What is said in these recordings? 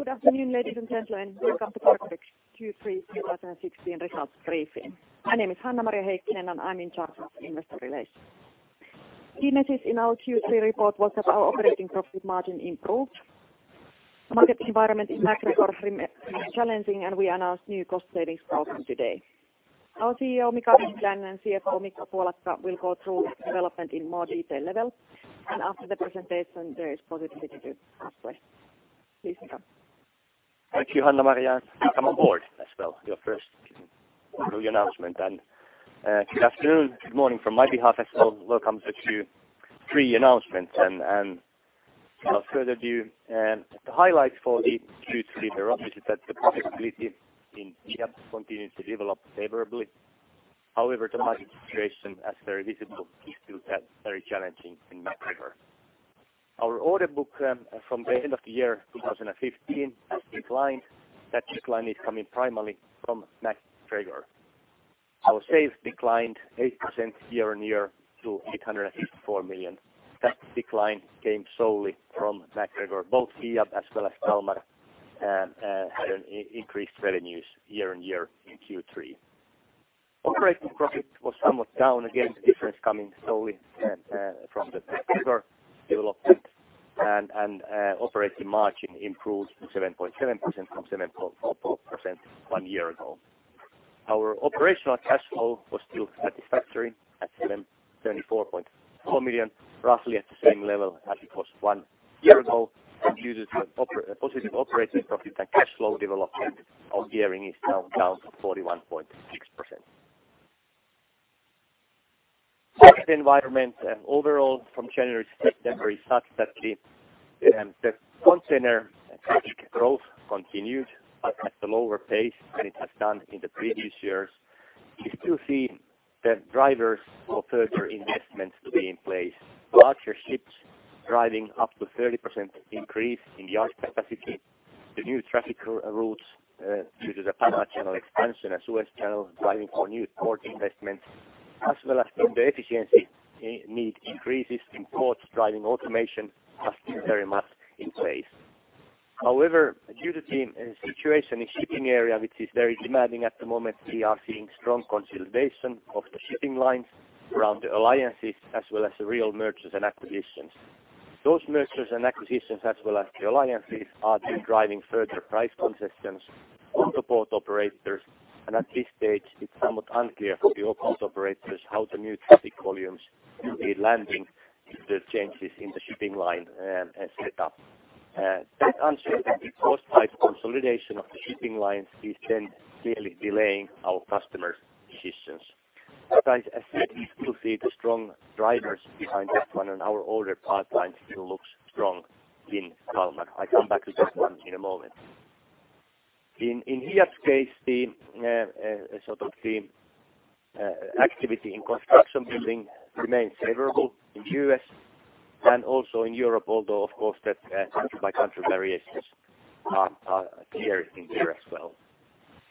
Good afternoon, ladies and gentlemen. Welcome to Cargotec Q3 2016 results briefing. My name is Hanna-Maria Heikkinen, and I'm in charge of investor relations. Key message in our Q3 report was that our operating profit margin improved. The market environment in MacGregor remains challenging, and we announced new cost savings program today. Our CEO, Mika Vehviläinen, and CFO, Mikko Puolakka, will go through the development in more detail level. After the presentation, there is possibility to ask questions. Please, Mika. Thank you, Hanna-Maria. Welcome on board as well. Your first new announcement. Good afternoon, good morning from my behalf as well. Welcome to Q3 announcements. Without further ado, the highlights for the Q3 there obviously is that the profitability in Hiab continued to develop favorably. However, the market situation as very visible is still very challenging in MacGregor. Our order book from the end of the year 2015 has declined. That decline is coming primarily from MacGregor. Our sales declined 8% year-on-year to 864 million. That decline came solely from MacGregor, both Hiab as well as Kalmar had increased revenues year-on-year in Q3. Operating profit was somewhat down against the difference coming solely from the MacGregor development and operating margin improved to 7.7% from 7.4% one year ago. Our operational cash flow was still satisfactory at 34.4 million, roughly at the same level as it was one year ago. Due to the positive operating profit and cash flow development, our gearing is now down to 41.6%. Market environment overall from January to September is such that the container traffic growth continued but at a lower pace than it has done in the previous years. We still see the drivers of further investments to be in place, larger ships driving up to 30% increase in yard capacity. The new traffic routes due to the Panama Canal expansion and Suez Canal driving for new port investments as well as the efficiency in need increases in ports driving automation are still very much in place. Due to the situation in shipping area, which is very demanding at the moment, we are seeing strong consolidation of the shipping lines around the alliances as well as the real mergers and acquisitions. Those mergers and acquisitions as well as the alliances are then driving further price concessions on the port operators. At this stage, it's somewhat unclear for the port operators how the new traffic volumes will be landing due to the changes in the shipping line set up. That uncertainty caused by consolidation of the shipping lines is then clearly delaying our customers' decisions. I said we still see the strong drivers behind that one and our order pipeline still looks strong in Kalmar. I come back to this one in a moment. In Hiab's case the sort of the activity in construction building remains favorable in U.S. and also in Europe although of course that country by country variations are clear in here as well.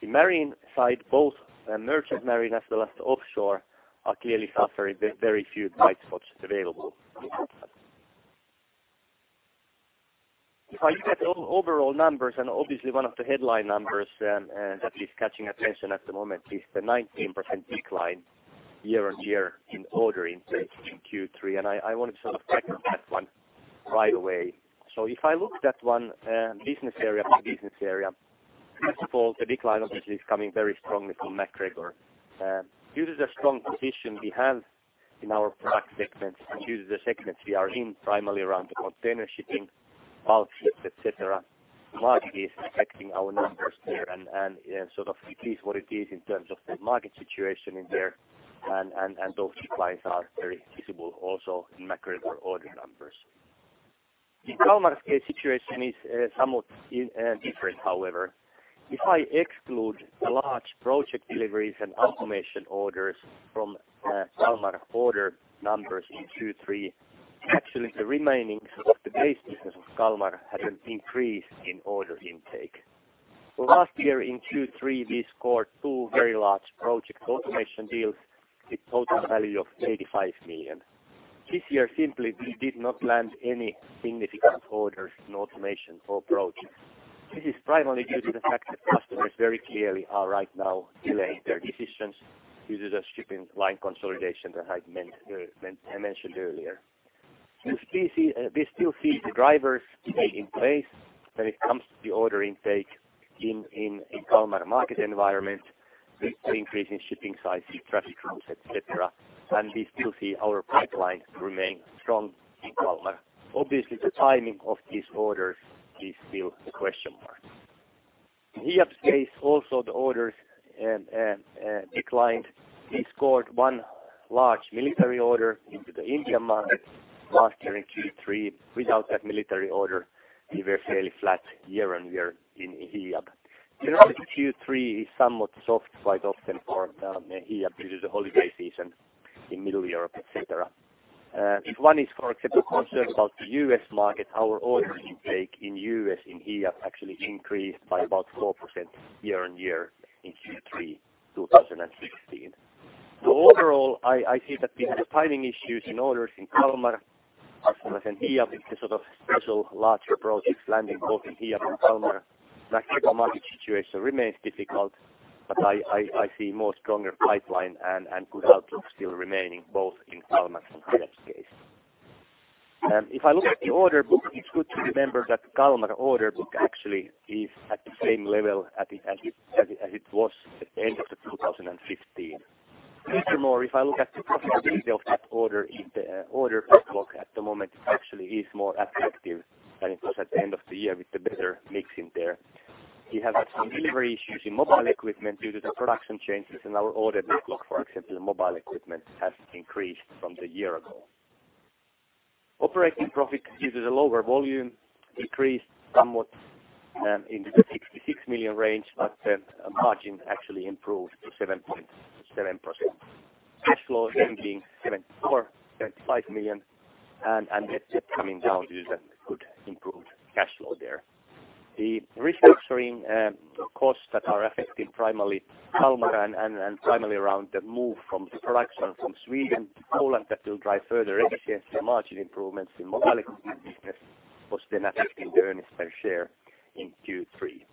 The marine side, both the merchant marine as well as the offshore are clearly suffering. Very few bright spots available in that one. If I look at overall numbers and obviously one of the headline numbers that is catching attention at the moment is the 19% decline year-over-year in order intake in Q3. I want to sort of tackle that one right away. If I look at that one, business area by business area, first of all, the decline obviously is coming very strongly from MacGregor. Due to the strong position we have in our product segments and due to the segments we are in primarily around the container shipping, bulk ships, et cetera, market is affecting our numbers there and sort of it is what it is in terms of the market situation in there. Those declines are very visible also in MacGregor order numbers. In Kalmar's case situation is somewhat different however. If I exclude the large project deliveries and automation orders from Kalmar order numbers in Q3, actually the remaining sort of the base business of Kalmar had an increase in order intake. Last year in Q3 we scored two very large project automation deals with total value of 85 million. This year simply we did not land any significant orders in automation or projects. This is primarily due to the fact that customers very clearly are right now delaying their decisions due to the shipping line consolidation that I mentioned earlier. We still see the drivers to be in place when it comes to the order intake in Kalmar market environment with the increase in shipping size, sea traffic routes, et cetera. We still see our pipeline remain strong in Kalmar. Obviously, the timing of these orders is still a question mark. Hiab's case also the orders declined. We scored one large military order into the India market last year in Q3. Without that military order, we were fairly flat year-on-year in Hiab. Generally Q3 is somewhat soft quite often for Hiab due to the holiday season in middle Europe, et cetera. If one is, for example, concerned about the U.S. market, our order intake in US in Hiab actually increased by about 4% year-on-year in Q3 2016. Overall, I see that we have timing issues in orders in Kalmar as well as in Hiab in the sort of special larger projects landing both in Hiab and Kalmar. MacGregor market situation remains difficult, I see more stronger pipeline and good outlook still remaining both in Kalmar's and Hiab's case. If I look at the order book, it's good to remember that Kalmar order book actually is at the same level as it was at the end of 2015. If I look at the profitability of that order in the order book at the moment actually is more attractive than it was at the end of the year with the better mix in there. We have had some delivery issues in mobile equipment due to the production changes in our order book log for accepting the mobile equipment has increased from the year ago. Operating profit due to the lower volume decreased somewhat into the 66 million range, but margin actually improved to 7.7%. Cash flow being 74.5 million, and debt coming down due to the good improved cash flow there. The restructuring costs that are affecting primarily Kalmar and primarily around the move from the production from Sweden to Poland that will drive further efficiency and margin improvements in mobile equipment business was affecting the earnings per share in Q3.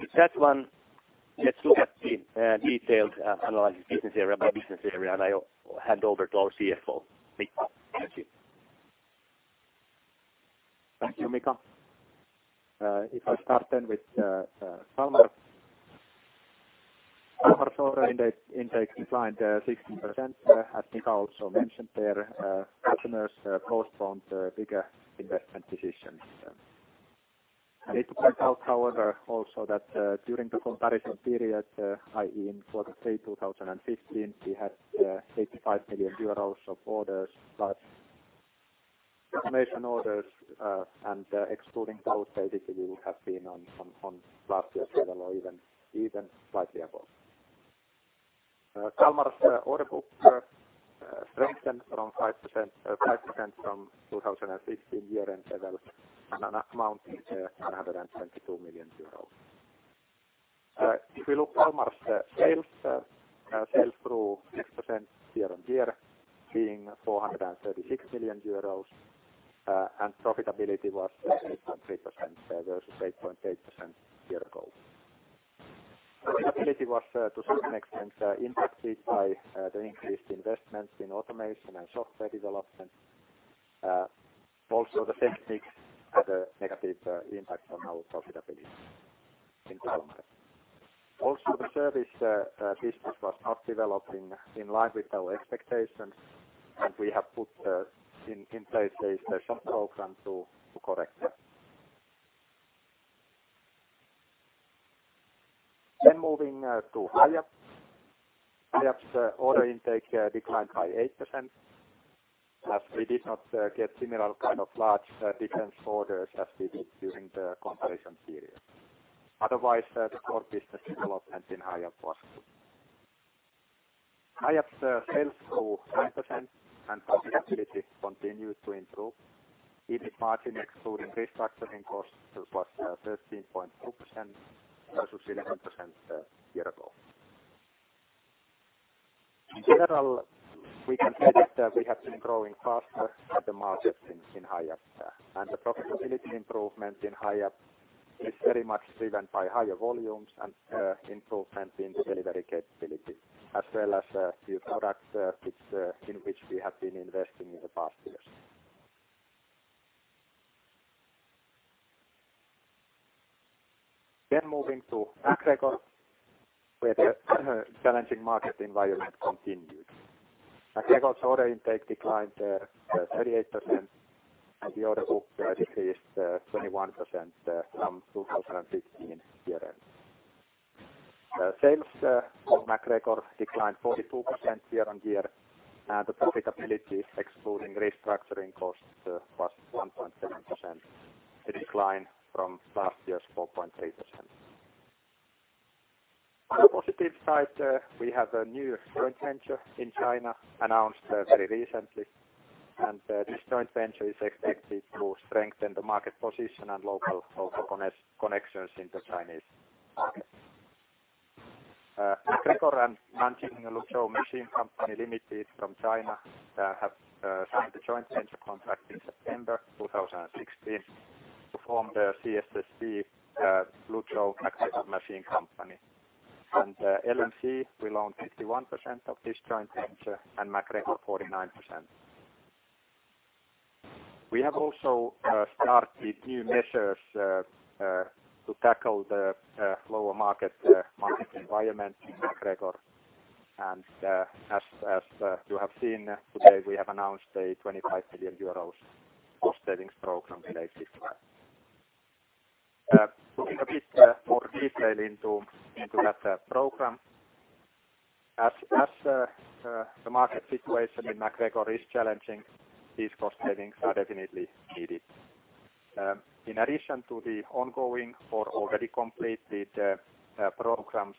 With that one, let's look at the detailed analysis business area by business area, and I'll hand over to our CFO, Mikko Puolakka. Thank you, Mika. If I start then with Kalmar. Kalmar's order intake declined 16%. As Mika also mentioned there, customers postponed bigger investment decisions. I need to point out however also that, during the comparison period, i.e., in quarter three 2015, we had 85 million euros of orders but automation orders, and excluding those basically we would have been on last year's level or even slightly above. Kalmar's order book strengthened around 5% from 2015 year-end levels and amounting to 922 million euros. If we look Kalmar's sales grew 6% year-on-year, being 436 million euros, and profitability was 8.3% versus 8.8% year-ago. Profitability was to some extent impacted by the increased investments in automation and software development. Also the mix had a negative impact on our profitability in Kalmar. Also the service business was not developing in line with our expectations, and we have put in place a some program to correct that. Moving to Hiab. Hiab's order intake declined by 8% as we did not get similar kind of large defense orders as we did during the comparison period. Otherwise, the core business development in Hiab was good. Hiab's sales grew 9% and profitability continued to improve. EBIT margin excluding restructuring costs was 13.4% versus 11% year ago. In general, we can say that we have been growing faster than the market in Hiab, and the profitability improvement in Hiab is very much driven by higher volumes and improvement in the delivery capability as well as a few products which we have been investing in the past years. Moving to MacGregor, where the challenging market environment continued. MacGregor's order intake declined 38%, and the order book decreased 21% from 2015 year-end. Sales for MacGregor declined 42% year on year, and the profitability excluding restructuring costs was 1.7%, a decline from last year's 4.8%. On the positive side, we have a new joint venture in China announced very recently. This joint venture is expected to strengthen the market position and local connections in the Chinese market. MacGregor and Nanjing Luzhou Machine Company Limited from China have signed the joint venture contract in September 2016 to form the CSSC Luzhou MacGregor Machine Company. LMC will own 51% of this joint venture and MacGregor 49%. We have also started new measures to tackle the lower market environment in MacGregor. As you have seen today, we have announced a 25 million euros cost savings program related to that. Looking a bit more detail into that program, as the market situation in MacGregor is challenging, these cost savings are definitely needed. In addition to the ongoing or already completed programs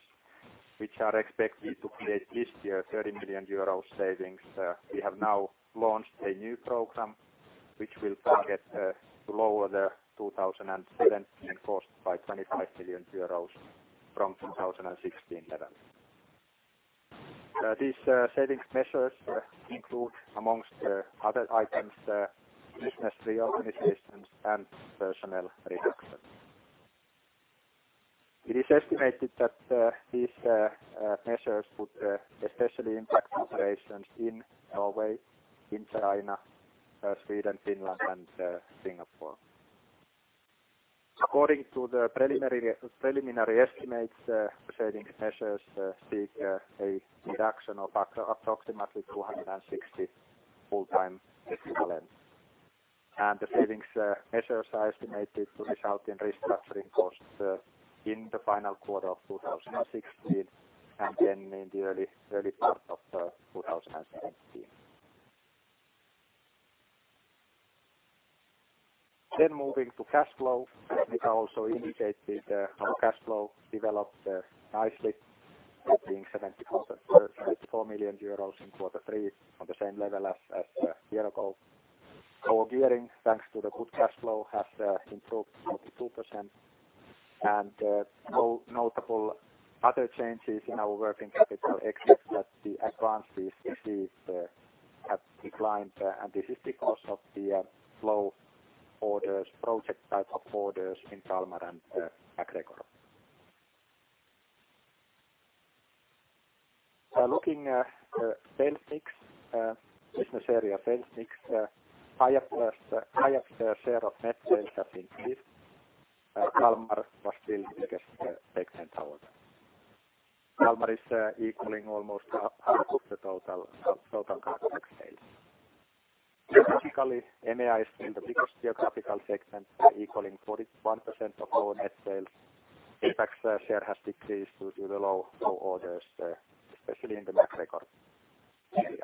which are expected to create this year 30 million euros savings, we have now launched a new program which will target to lower the 2017 cost by 25 million euros from 2016 level. These savings measures include amongst other items, business reorganizations and personnel reduction. It is estimated that these measures would especially impact operations in Norway, in China, Sweden, Finland, and Singapore. According to the preliminary estimates, the savings measures seek a reduction of approximately 260 full-time equivalents. The savings measures are estimated to result in restructuring costs in the final quarter of 2016 and then in the early part of 2017. Moving to cash flow, we can also indicate that our cash flow developed nicely, it being 74 million euros in quarter three on the same level as a year ago. Our gearing, thanks to the good cash flow, has improved 42%. No notable other changes in our working capital except that the advances received have declined. This is because of the slow orders, project type of orders in Kalmar and MacGregor. Looking at sales mix, business area sales mix, higher share of net sales have increased. Kalmar was still the biggest segment however. Kalmar is equaling almost half of the total Cargotec sales. Typically, EMEA is still the biggest geographical segment equaling 41% of our net sales. APAC's share has decreased due to the low orders, especially in the MacGregor area.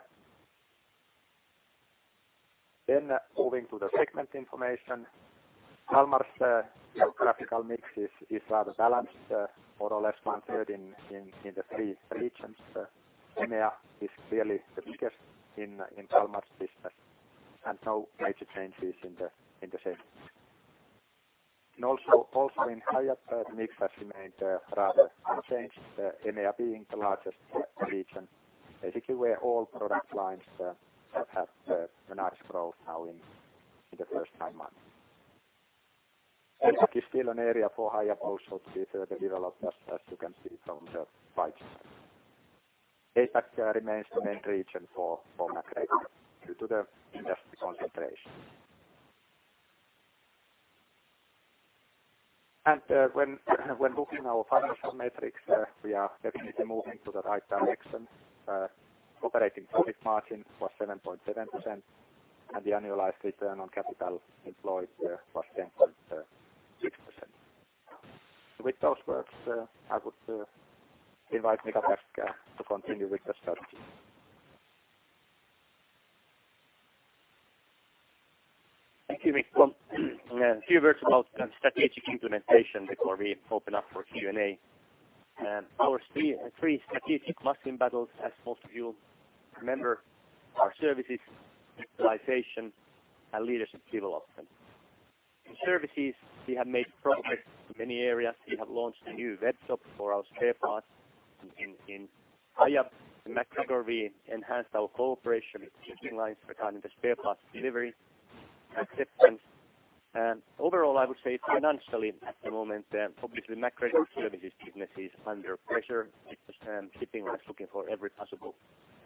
Moving to the segment information. Kalmar's geographical mix is rather balanced, more or less one-third in the three regions. EMEA is clearly the biggest in Kalmar's business, and no major changes in the sales. Also in Hiab mix has remained rather unchanged, EMEA being the largest region, basically where all product lines have had a nice growth now in the first 9 months. is still an area for Hiab also with the development as you can see from the right side. APAC remains the main region for MacGregor due to the industry concentration. When looking our financial metrics, we are definitely moving to the right direction. Operating profit margin was 7.7%, and the annualized return on capital employed was 10.6%. With those words, I would invite Mika Pekka to continue with the strategy. Thank you, Mikko. A few words about strategic implementation before we open up for Q&A. Our three strategic must-win battles, as most of you remember, are services, digitalization, and leadership development. In services, we have made progress in many areas. We have launched a new webshop for our spare parts. In Hiab and MacGregor we enhanced our cooperation with shipping lines regarding the spare parts delivery acceptance. Overall, I would say financially at the moment, obviously MacGregor Services business is under pressure because shipping lines looking for every possible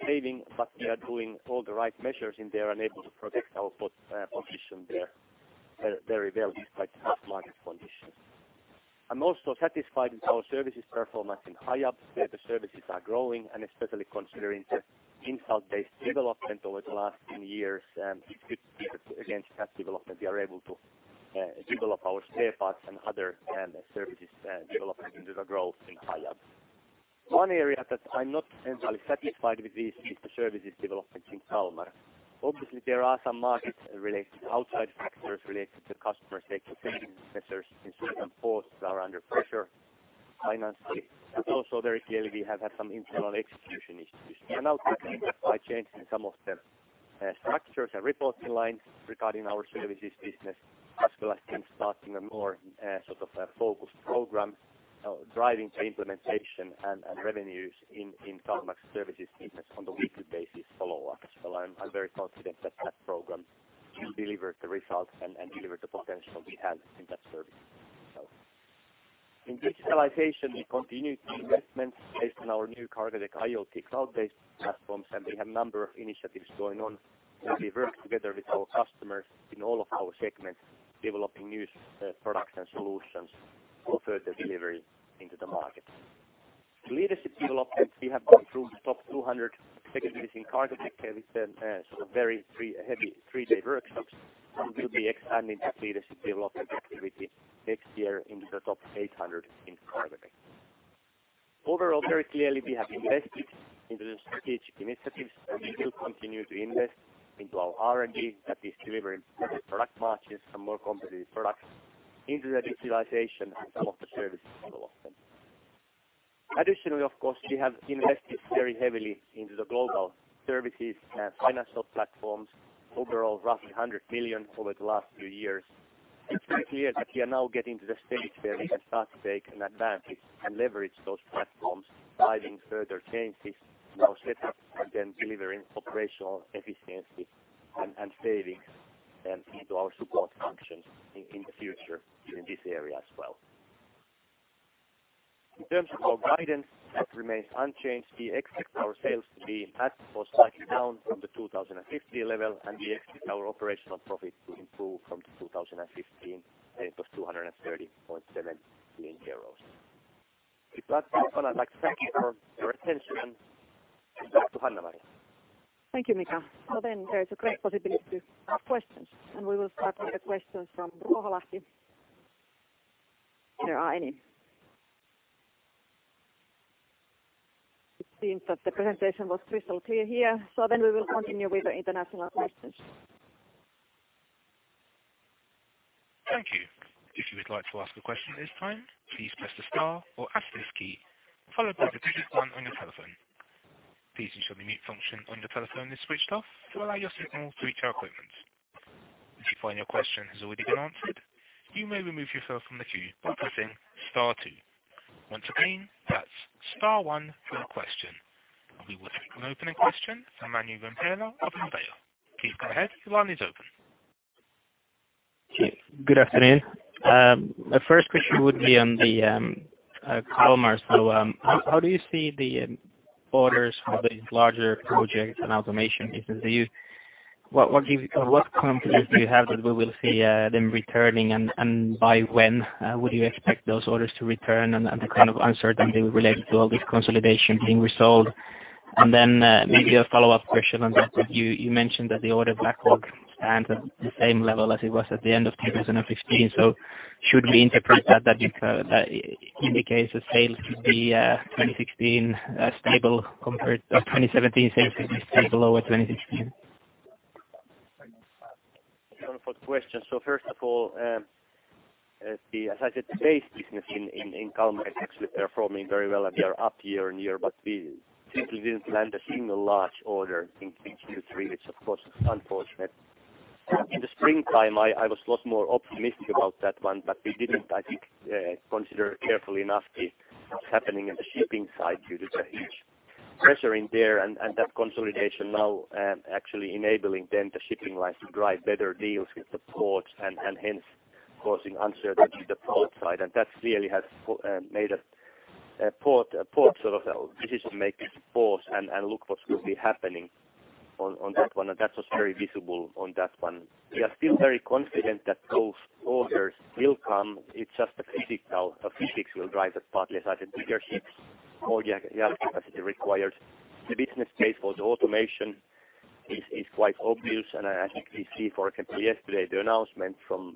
saving, but we are doing all the right measures in there and able to protect our position there very well despite tough market conditions. I'm also satisfied with our services performance in Hiab, where the services are growing and especially considering the in-house based development over the last 10 years, it's good to see that against that development we are able to develop our spare parts and other services development into the growth in Hiab. One area that I'm not entirely satisfied with is the services development in Kalmar. Obviously, there are some market related outside factors related to customer safety investors in certain ports are under pressure financially, but also very clearly we have had some internal execution issues. I'll continue by changing some of the structures and reporting lines regarding our services business. As well as team starting a more sort of a focused program driving the implementation and revenues in Kalmar's services business on the weekly basis follow-up. I'm very confident that that program will deliver the results and deliver the potential we have in that service itself. In digitalization, we continue the investments based on our new Cargotec IoT cloud-based platforms, and we have a number of initiatives going on, where we work together with our customers in all of our segments, developing new products and solutions for further delivery into the market. To leadership development, we have gone through the top 200 executives in Cargotec with them, sort of heavy 3-day workshops, and we'll be expanding the leadership development activity next year into the top 800 in Cargotec. Overall, very clearly, we have invested into the strategic initiatives, and we will continue to invest into our R&D that is delivering better product margins and more competitive products into the digitalization and some of the service development. Of course, we have invested very heavily into the global services and financial platforms overall, roughly 100 million over the last few years. It's very clear that we are now getting to the stage where we can start to take an advantage and leverage those platforms, driving further changes now set up and then delivering operational efficiency and savings into our support functions in the future in this area as well. In terms of our guidance, that remains unchanged. We expect our sales to be flat or slightly down from the 2015 level, and we expect our operating profit to improve from 2015 level of EUR 230.7 million. With that, I would like to thank you for your attention and back to Hanna-Maria. Thank you, Mika. There is a great possibility to have questions, and we will start with the questions from Ruoholahti, if there are any. It seems that the presentation was crystal clear here. We will continue with the international questions. Thank you. If you would like to ask a question at this time, please press the star or asterisk key, followed by the digit one on your telephone. Please ensure the mute function on your telephone is switched off to allow your signal through to our equipment. If you find your question has already been answered, you may remove yourself from the queue by pressing star two. Once again, that's star one for your question. We will take an opening question from Manuel Rumpfhuber of Inderes. Please go ahead. Your line is open. Good afternoon. My first question would be on the Kalmar. How do you see the orders for these larger projects and automation business? What confidence do you have that we will see them returning and by when would you expect those orders to return and the kind of uncertainty related to all this consolidation being resolved? maybe a follow-up question on that, but you mentioned that the order backlog stands at the same level as it was at the end of 2015. Should we interpret that it indicates the sales could be 2016 stable compared or 2017 sales could be stable or lower than 2016? Thank you for the question. First of all, as I said, the base business in Kalmar is actually performing very well, and we are up year-on-year, but we simply didn't land a single large order in Q2, Q3, which of course is unfortunate. In the springtime, I was a lot more optimistic about that one, but we didn't, I think, consider carefully enough what's happening in the shipping side due to the huge pressure in there and that consolidation now actually enabling then the shipping lines to drive better deals with the ports and hence causing uncertainty in the port side. That clearly has made a port sort of decision makers pause and look what will be happening on that one, and that was very visible on that one. We are still very confident that those orders will come. It's just physics will drive that partly, as I said, bigger ships or yard capacity required. The business case for the automation is quite obvious, and I think we see, for example, yesterday the announcement from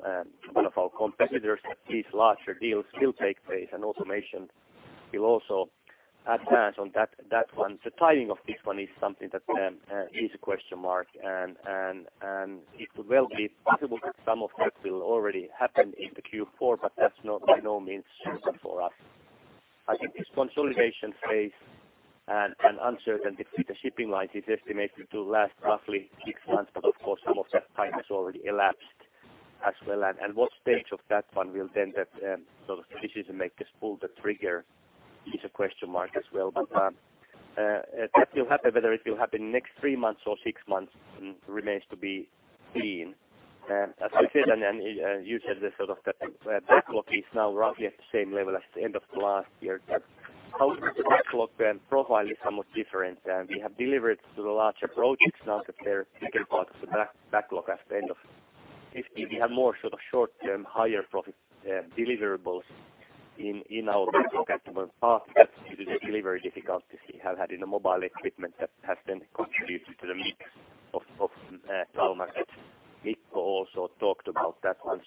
one of our competitors that these larger deals still take place and automation will also advance on that one. The timing of this one is something that is a question mark and it will be possible that some of that will already happen in the Q4, but that's by no means certain for us. I think this consolidation phase and uncertainty with the shipping lines is estimated to last roughly 6 months, but of course, some of that time has already elapsed as well. What stage of that one will then that sort of decision makers pull the trigger is a question mark as well. That will happen whether it will happen next 3 months or 6 months remains to be seen. As you said, and you said the sort of the backlog is now roughly at the same level as the end of last year. How the backlog then profile is somewhat different, and we have delivered the larger projects. Now that they're thinking about the backlog at the end of 2015, we have more sort of short-term, higher profit deliverables in our backlog. When part that's due to the delivery difficulties we have had in the mobile equipment that has then contributed to the mix of Kalmar, as Mikko also talked about that one.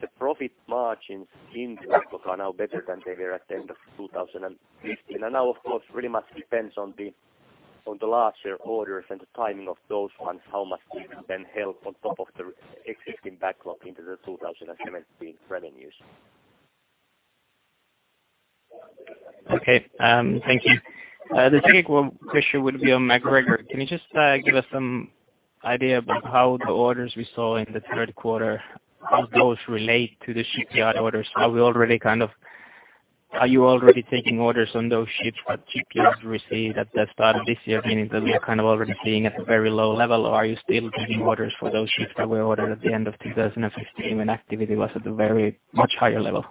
The profit margins in the backlog are now better than they were at the end of 2015. Now of course, pretty much depends on the larger orders and the timing of those ones, how much we can then help on top of the existing backlog into the 2017 revenues. Okay, thank you. The second one question would be on MacGregor. Can you just give us some idea about how the orders we saw in the third quarter, how those relate to the shipyard orders? Are you already taking orders on those ships, what shipyards received at the start of this year, meaning that we are kind of already seeing at a very low level? Are you still taking orders for those ships that were ordered at the end of 2015 when activity was at a very much higher level?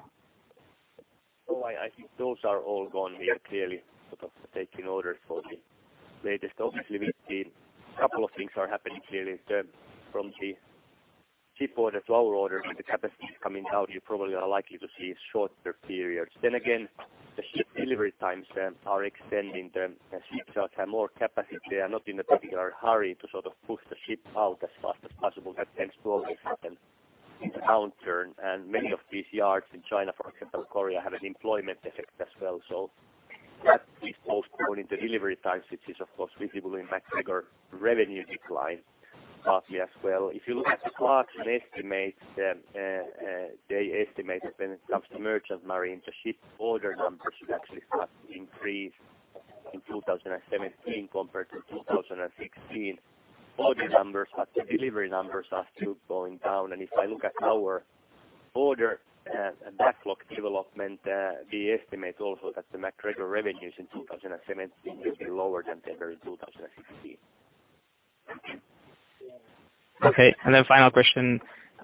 No, I think those are all gone. We are clearly sort of taking orders for the latest. Obviously, we've seen a couple of things are happening clearly. From the ship order to our orders and the capacity coming out, you probably are likely to see shorter periods. Again, the ship delivery times are extending. The shipyards have more capacity. They are not in a particular hurry to sort of push the ship out as fast as possible. That tends to always happen in downturn. Many of these yards in China, for example, Korea, have an employment effect as well. That is postponing the delivery times, which is of course visible in MacGregor revenue decline partly as well. If you look at Clarksons estimates, they estimate when it comes to merchant marine, the ship order numbers should actually have increased in 2017 compared to 2016. Order numbers. The delivery numbers are still going down. If I look at our order backlog development, we estimate also that the MacGregor revenues in 2017 will be lower than they were in 2016. Okay. Final question.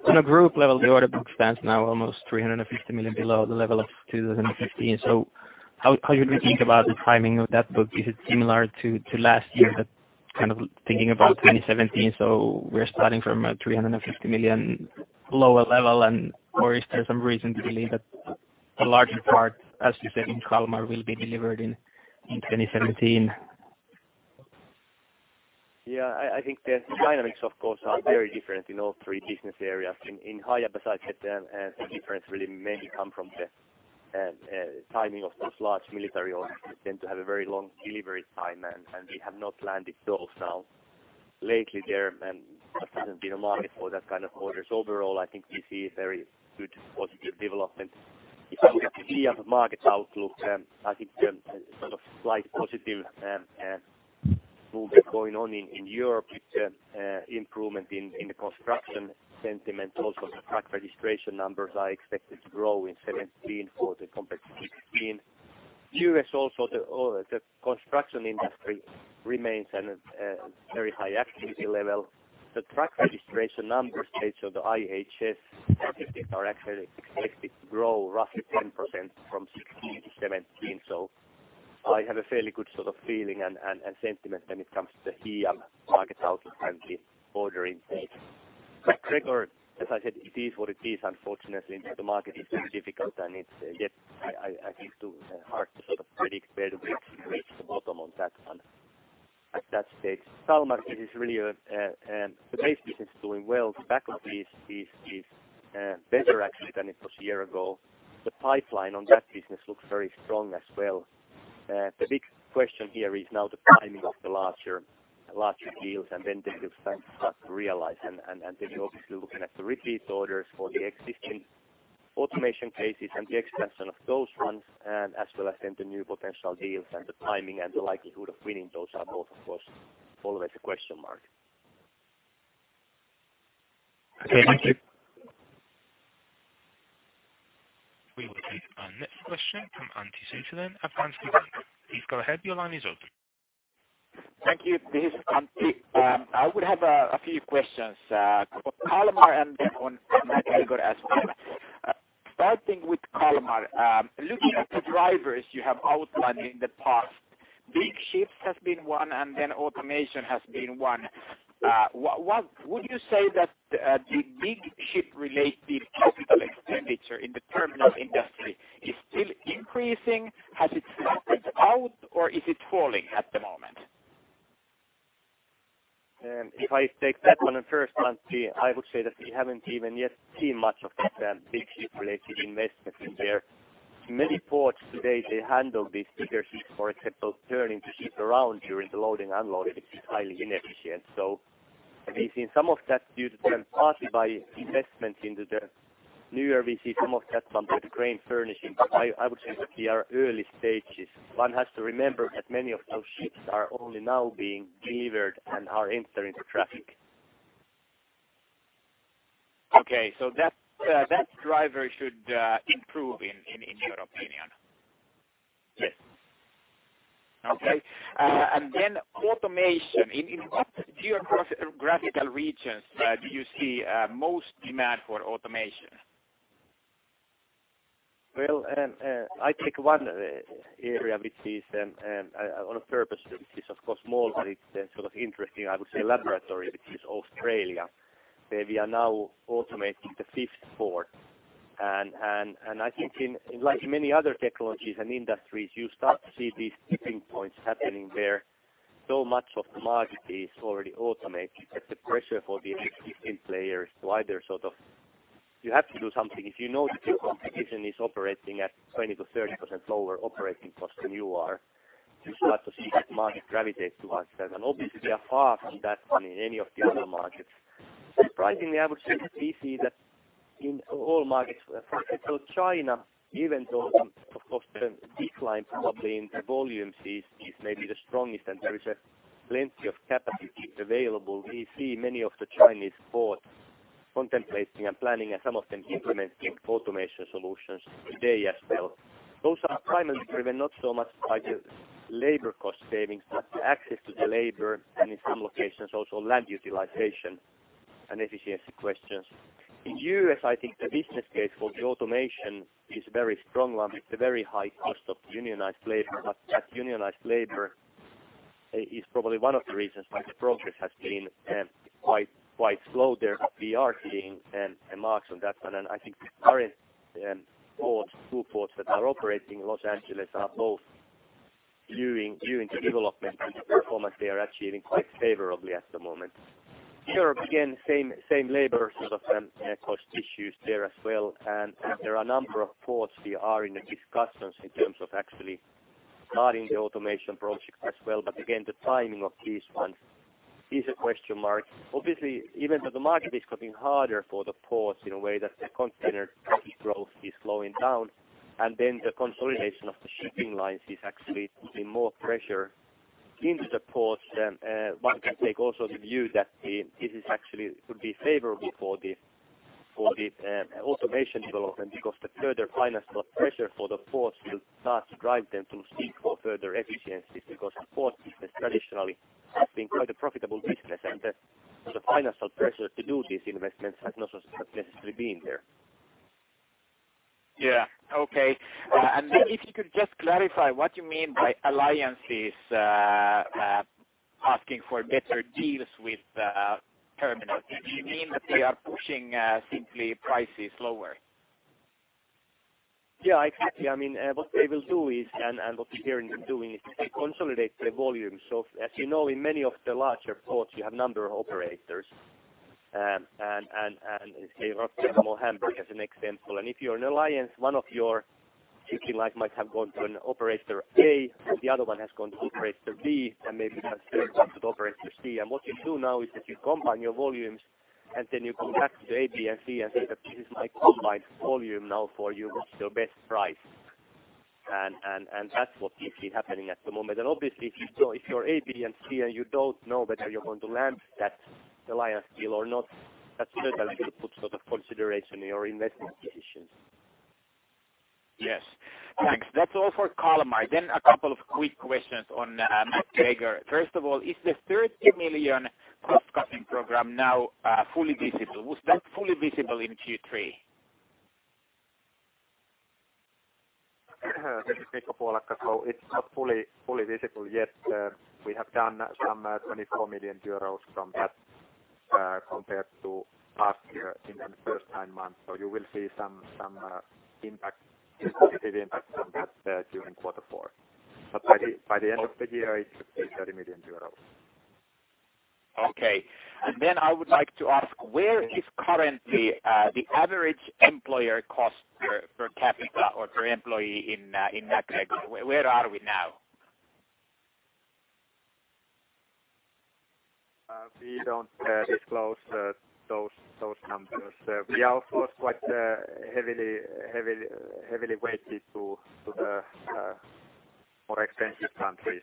On a group level, the order book stands now almost 350 million below the level of 2015. How should we think about the timing of that book? Is it similar to last year, that kind of thinking about 2017? We're starting from a 350 million lower level or is there some reason to believe that a larger part, as you said, in Kalmar, will be delivered in 2017? Yeah, I think the dynamics of course are very different in all three business areas. In Hiab, besides the difference really mainly come from the timing of those large military orders which tend to have a very long delivery time, and we have not landed those now. Lately there hasn't been a market for that kind of orders. Overall, I think we see a very good positive development. If I look at the Hiab markets outlook, I think sort of slight positive movement going on in Europe with the improvement in the construction sentiment. The truck registration numbers are expected to grow in 17 for the compared to 16. U.S. the construction industry remains at a very high activity level. The truck registration numbers based on the IHS Markit statistics are actually expected to grow roughly 10% from 2016-2017. I have a fairly good sort of feeling and sentiment when it comes to the Hiab market outlook and the order intake. MacGregor, as I said, it is what it is unfortunately. The market is very difficult and it's, yet I think too hard to sort of predict where we reach the bottom on that one at that stage. Kalmar is really a, the base business is doing well. The backlog is better actually than it was a year ago. The pipeline on that business looks very strong as well. The big question here is now the timing of the larger deals and when they will start to realize. We're obviously looking at the repeat orders for the existing automation cases and the expansion of those ones, and as well as then the new potential deals and the timing and the likelihood of winning those are both of course always a question mark. Okay, thank you. We will take our next question from Antti Sutinen at Danske Bank. Please go ahead. Your line is open. Thank you. This is Antti. I would have a few questions on Kalmar and then on MacGregor as well. Would you say that the big ship related capital expenditure in the terminal industry is still increasing? Has it flattened out or is it falling at the moment? If I take that one first, Antti, I would say that we haven't even yet seen much of the big ship related investment in there. Many ports today, they handle these bigger ships, for example, turning the ship around during the loading, unloading, which is highly inefficient. We've seen some of that due to them partly by investment into the newer. We see some of that from the crane furnishing, but I would say that we are early stages. One has to remember that many of those ships are only now being delivered and are entering the traffic. Okay. That driver should improve in your opinion? Yes. Okay. Then automation. In what geographical regions do you see most demand for automation? Well, I take one area which is on purpose which is of course small but it's sort of interesting, I would say laboratory, which is Australia, where we are now automating the fifth port. I think in, like in many other technologies and industries, you start to see these tipping points happening where so much of the market is already automated that the pressure for the existing players to either. You have to do something. If you know that your competition is operating at 20%-30% lower operating cost than you are, you start to see that market gravitate towards them. Obviously we are far from that in any of the other markets. Surprisingly, I would say that we see that in all markets. For example, China, even though of course the decline probably in the volumes is maybe the strongest and there is a plenty of capacity available, we see many of the Chinese ports contemplating and planning and some of them implementing automation solutions today as well. Those are primarily driven not so much by the labor cost savings, but the access to the labor and in some locations also land utilization and efficiency questions. In U.S. I think the business case for the automation is a very strong one with the very high cost of unionized labor, but that unionized labor is probably one of the reasons why the progress has been quite slow there. We are seeing marks on that one, and I think the current ports, two ports that are operating in Los Angeles are both viewing the development and the performance they are achieving quite favorably at the moment. Europe, again, same labor sort of cost issues there as well. There are a number of ports we are in the discussions in terms of actually starting the automation project as well. Again, the timing of this one is a question mark. Obviously, even though the market is becoming harder for the ports in a way that the container traffic growth is slowing down, the consolidation of the shipping lines is actually putting more pressure into the ports. One can take also the view that this is actually could be favorable for the automation development because the further financial pressure for the ports will start to drive them to seek for further efficiencies because the port business traditionally has been quite a profitable business. The financial pressure to do these investments has not necessarily been there. Yeah. Okay. If you could just clarify what you mean by alliances, asking for better deals with terminals, do you mean that they are pushing simply prices lower? Yeah, exactly. I mean, what they will do is, what we're hearing them doing is they consolidate the volume. As you know, in many of the larger ports, you have number of operators. Let's say Rotterdam or Hamburg as an example. If you're an alliance, one of your shipping line might have gone to an operator A, the other one has gone to operator B, and maybe the third one to operator C. What you do now is that you combine your volumes and then you go back to the A, B, and C and say that this is my combined volume now for you, what's your best price? That's what's usually happening at the moment. Obviously, so if you're A, B and C, and you don't know whether you're going to land that alliance deal or not, that certainly will put sort of consideration in your investment decisions. Yes. Thanks. That's all for Kalmar. A couple of quick questions on MacGregor. First of all, is the 30 million cost cutting program now fully visible? Was that fully visible in Q3? This is Mikko Puolakka. It's not fully visible yet. We have done 24 million euros from that compared to last year in the first 9 months. You will see some impact, some positive impact from that during quarter four. By the end of the year, it should be 30 million euros. Okay. I would like to ask, where is currently, the average employer cost per capita or per employee in MacGregor? Where are we now? We don't disclose those numbers. We are also quite heavily weighted to the more expensive countries.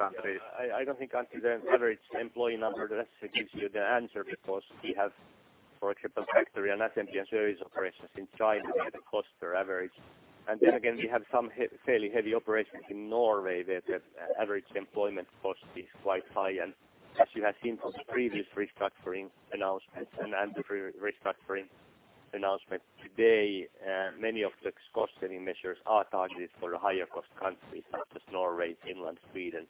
I don't think actually the average employee number necessarily gives you the answer because we have, for example, factory and assembly and service operations in China where the costs are average. Then again, we have some fairly heavy operations in Norway, where the average employment cost is quite high. As you have seen from the previous restructuring announcements and the restructuring announcement today, many of the cost saving measures are targeted for higher cost countries such as Norway, England, Sweden,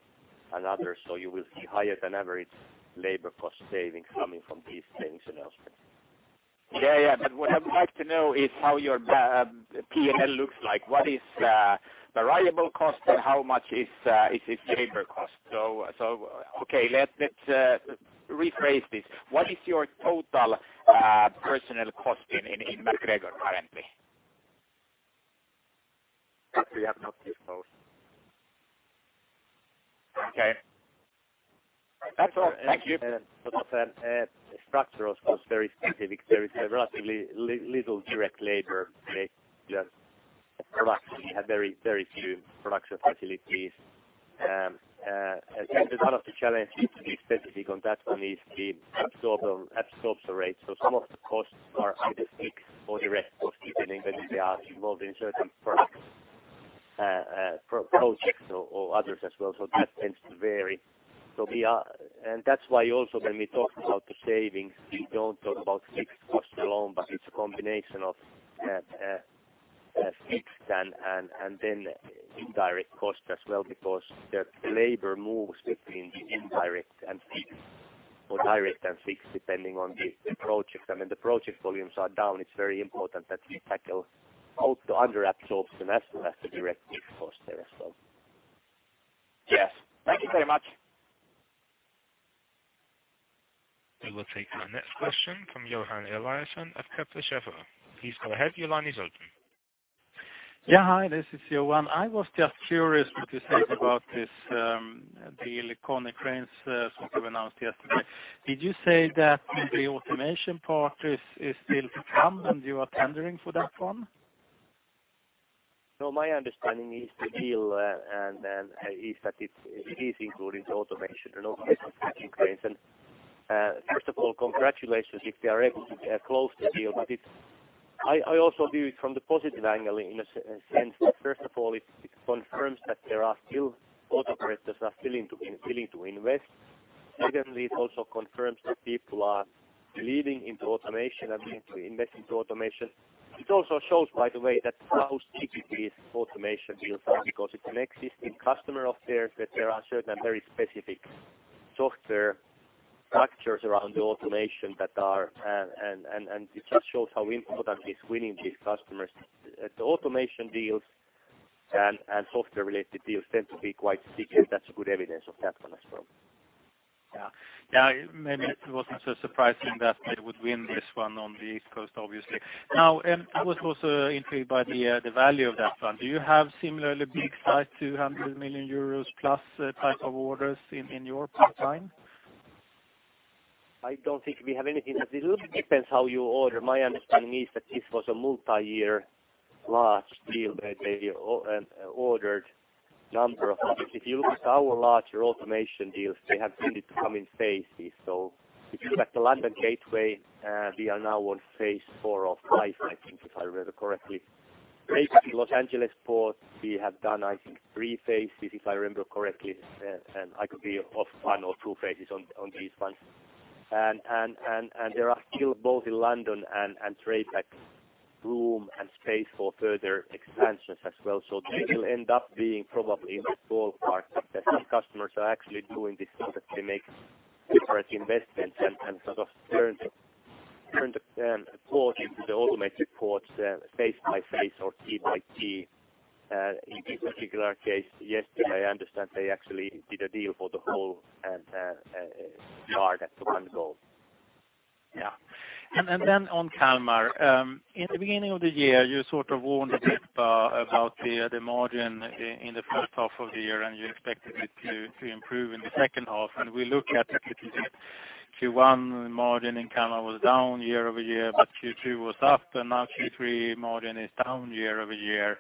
and others. You will see higher than average labor cost savings coming from these things announcement. Yeah. What I would like to know is how your P&L looks like. What is variable cost and how much is labor cost? Okay, let's rephrase this. What is your total personnel cost in MacGregor currently? That we have not disclosed. Okay. That's all. Thank you. ourse very specific. There is relatively little direct labor in a production. We have very, very few production facilities. A lot of the challenge is to be specific on that one is the absorption rate. So some of the costs are either fixed or direct costs, even if they are involved in certain products, projects or others as well. That tends to vary. We are... And that's why also when we talk about the savings, we don't talk about fixed costs alone, but it's a combination of fixed and indirect costs as well because the labor moves between the indirect and fixed or direct and fixed depending on the project. I mean, the project volumes are down It's very important that we tackle also under absorption as well as the direct and fixed costs there as well. Yes. Thank you very much. We will take our next question from Johan Eliason at Kepler Cheuvreux. Please go ahead. Your line is open. Yeah. Hi, this is Johan. I was just curious what you said about this, the Konecranes, sort of announced yesterday. Did you say that the automation part is still to come and you are tendering for that one? My understanding is the deal, and is that it's, it is including the automation and obviously some Konecranes. First of all, congratulations if they are able to close the deal. I also view it from the positive angle in a sense that first of all, it confirms that port operators are willing to invest. Secondly, it also confirms that people are leaning into automation and willing to invest into automation. It also shows, by the way, that how sticky this automation deals are because it's an existing customer of theirs, that there are certain and very specific software structures around the automation that are, and it just shows how important is winning these customers. The automation deals and software related deals tend to be quite sticky. That's good evidence of that one as well. Yeah. Yeah, maybe it wasn't so surprising that they would win this one on the East Coast, obviously. Now, I was also intrigued by the value of that one. Do you have similarly big size to 100 million euros plus type of orders in your pipeline? I don't think we have anything. It depends how you order. My understanding is that this was a multi-year large deal that they ordered number of... If you look at our larger automation deals, they have tended to come in phases. If you look at the London Gateway, we are now on phase IV of 5, I think, if I remember correctly. TraPac at the Port of Los Angeles, we have done, I think, three phases, if I remember correctly, and I could be off one or two phases on this one. There are still both in London and TraPac room and space for further expansions as well. They will end up being probably in the small part that some customers are actually doing this so that they make different investments and sort of turn the port into the automated ports, phase by phase or key by key. In this particular case, yesterday, I understand they actually did a deal for the whole yard at one go. On Kalmar, in the beginning of the year, you sort of warned a bit about the margin in the first half of the year, and you expected it to improve in the second half. We look at Q1 margin in Kalmar was down year-over-year, but Q2 was up, and now Q3 margin is down year-over-year.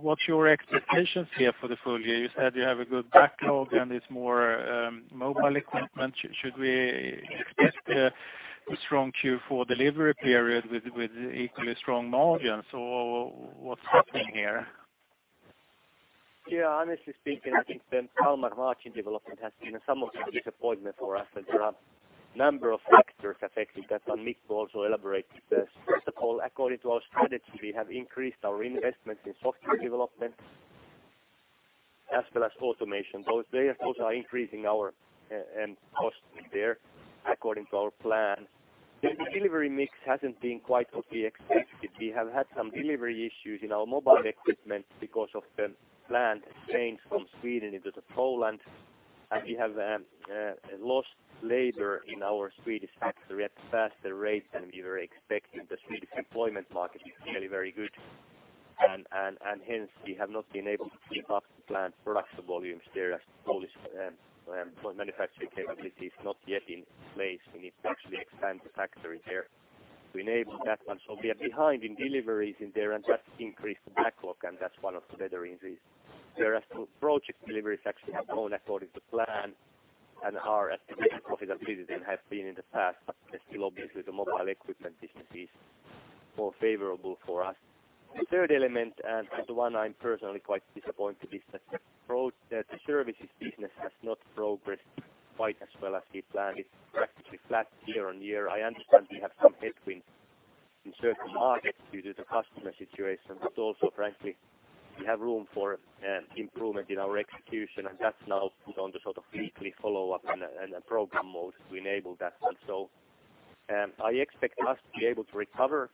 What's your expectations here for the full year? You said you have a good backlog and it's more mobile equipment. Should we expect a strong Q4 delivery period with equally strong margins, or what's happening here? Yeah, honestly speaking, I think the Kalmar margin development has been somewhat of a disappointment for us, and there are number of factors affecting that. Mikko also elaborated this. First of all, according to our strategy, we have increased our investments in software development as well as automation. Those, they are also increasing our costs there according to our plan. The delivery mix hasn't been quite what we expected. We have had some delivery issues in our mobile equipment because of the plant change from Sweden into Poland. We have lost labor in our Swedish factory at faster rate than we were expecting. The Swedish employment market is very, very good. Hence, we have not been able to keep up the plant production volumes there as the Polish manufacturing capability is not yet in place. We need to actually expand the factory there to enable that one. We are behind in deliveries in there and that's increased the backlog, and that's one of the better increase. The project deliveries actually have gone according to plan and are at better profitability than have been in the past. Still, obviously, the mobile equipment business is more favorable for us. The third element, and the one I'm personally quite disappointed is that the services business has not progressed quite as well as we planned. It's practically flat year-over-year. I understand we have some headwinds in certain markets due to the customer situation. Also, frankly, we have room for improvement in our execution, and that's now put on the sort of weekly follow-up and a program mode to enable that. I expect us to be able to recover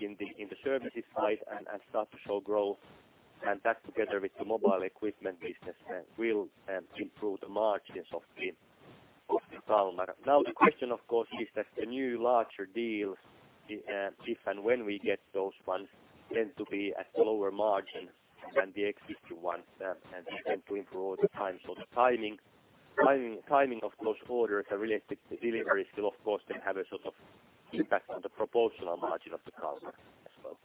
in the services side and start to show growth. Together with the mobile equipment business will improve the margins of the Kalmar. Now, the question of course is that the new larger deals, if and when we get those ones, tend to be at lower margin than the existing ones, and they tend to improve all the time. The timing of those orders and related deliveries will of course then have a sort of impact on the proportional margin of the Kalmar as well.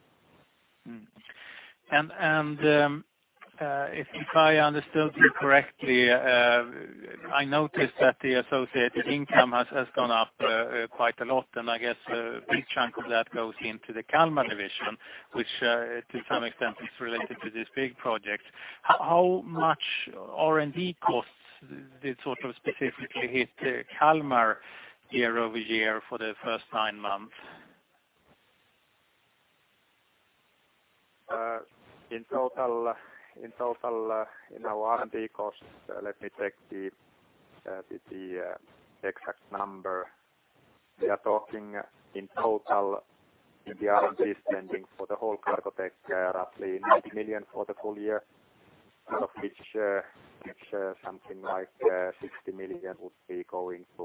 If I understood you correctly, I noticed that the associated income has gone up quite a lot, and I guess a big chunk of that goes into the Kalmar division, which to some extent is related to this big project. How much R&D costs did sort of specifically hit Kalmar year-over-year for the first nine months? In total, in our R&D costs, let me check the exact number. We are talking in total, in the R&D spending for the whole Cargotec, roughly 90 million for the full year, out of which, something like, 60 million would be going to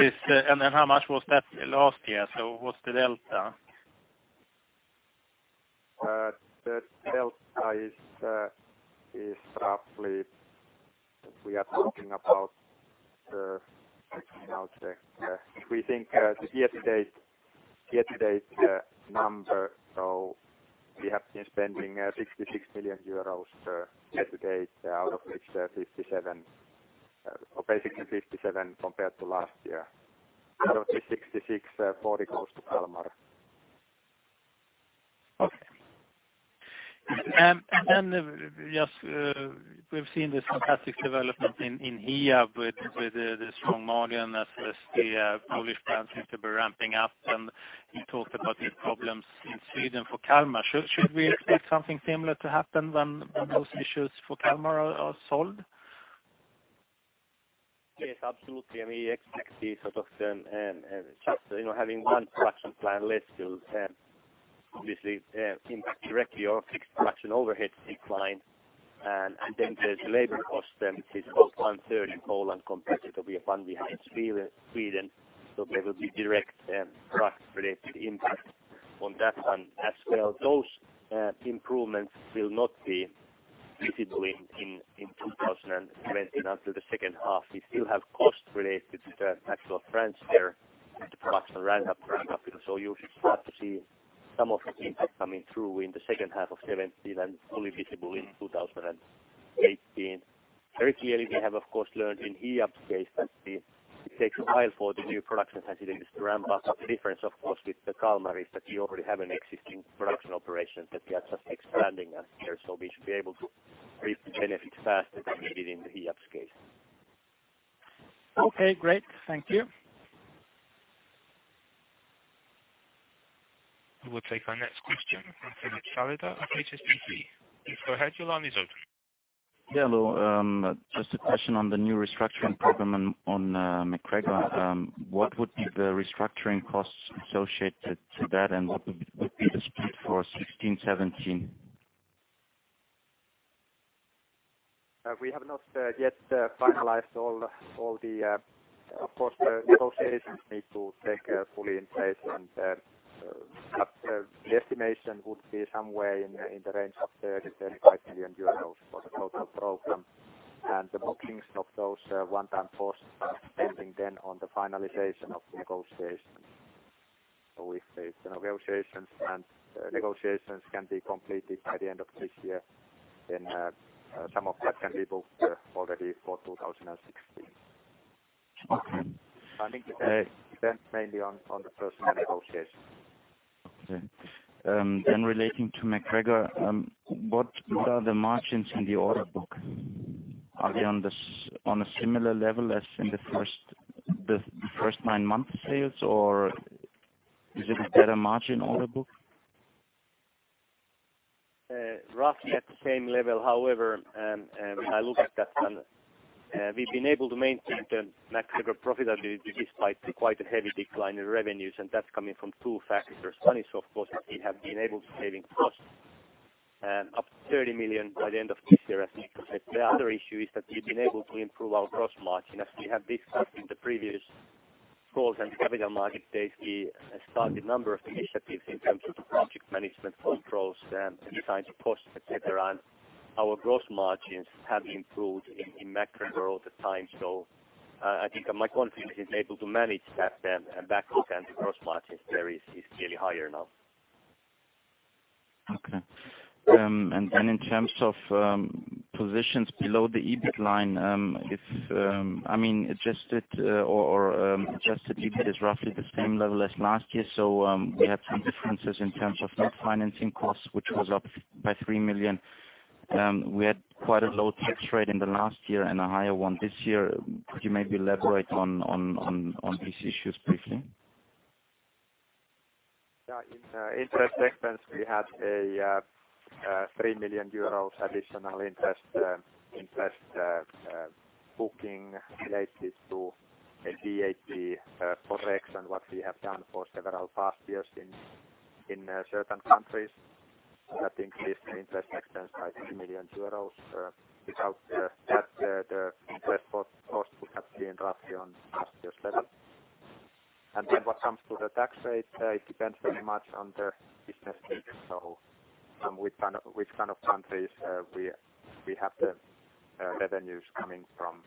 Kalmar full year level. How much was that last year? What's the delta? The delta is roughly, we are talking about, let me now check. If we think the year to date number, we have been spending 66 million euros year to date, out of which 57 million, or basically 57 million compared to last year. Out of the 66 million, 40 million goes to Kalmar. Okay. Just, we've seen this fantastic development in Hiab with the strong margin, as well as the Polish plant seems to be ramping up, and you talked about the problems in Sweden for Kalmar. Should we expect something similar to happen when those issues for Kalmar are solved? Yes, absolutely. I mean, we expect the sort of, just, you know, having one production plant less will obviously impact directly our fixed production overheads decline. Then there's labor cost, which is about one third in Poland compared to the one we have in Sweden. There will be direct cost related impact on that one as well. Those improvements will not be visible in 2020 until the second half. We still have costs related to the actual transfer and the production ramp-up. You should start to see some of the impact coming through in the second half of 2020 and fully visible in 2018. Very clearly we have of course learned in Hiab's case that it takes a while for the new production facilities to ramp up. The difference of course with the Kalmar is that we already have an existing production operation that we are just expanding out there, so we should be able to reap the benefits faster than we did in the Hiab's case. Okay, great. Thank you. We will take our next question from Philip Saliba of HSBC. Please go ahead, your line is open. Yeah, hello. Just a question on the new restructuring program on MacGregor. What would be the restructuring costs associated to that? What would be the split for 2016, 2017? We have not yet finalized all the. Of course, the negotiations need to take fully in place. The estimation would be somewhere in the range of 30-35 million euros for the total program. The bookings of those one-time costs are depending then on the finalization of the negotiations. If the negotiations can be completed by the end of this year, then some of that can be booked already for 2016. Okay. I think it depends mainly on the person negotiations. Okay. Relating to MacGregor, what are the margins in the order book? Are they on a similar level as in the first nine month sales or is it a better margin order book? Roughly at the same level. When I look at that one, we've been able to maintain the MacGregor profitability despite quite a heavy decline in revenues, and that's coming from two factors. One is of course that we have been able to saving costs, up to 30 million by the end of this year I think. The other issue is that we've been able to improve our gross margin. As we have discussed in the previous calls and capital market days, we have started number of initiatives in terms of the project management controls and the kinds of costs, et cetera. Our gross margins have improved in MacGregor all the time. I think my confidence is able to manage that backlog and the gross margins there is clearly higher now. Okay. In terms of positions below the EBIT line, adjusted EBIT is roughly the same level as last year. We have some differences in terms of net financing costs, which was up by 3 million. We had quite a low tax rate in the last year and a higher one this year. Could you maybe elaborate on these issues briefly? Yeah. In interest expense we had a 3 million euros additional interest booking related to a VAT correction what we have done for several past years in certain countries. That increased the interest expense by EUR 3 million. Without that, the interest cost would have been roughly on last year's level. What comes to the tax rate, it depends very much on the business mix. Which kind of countries we have the revenues coming from,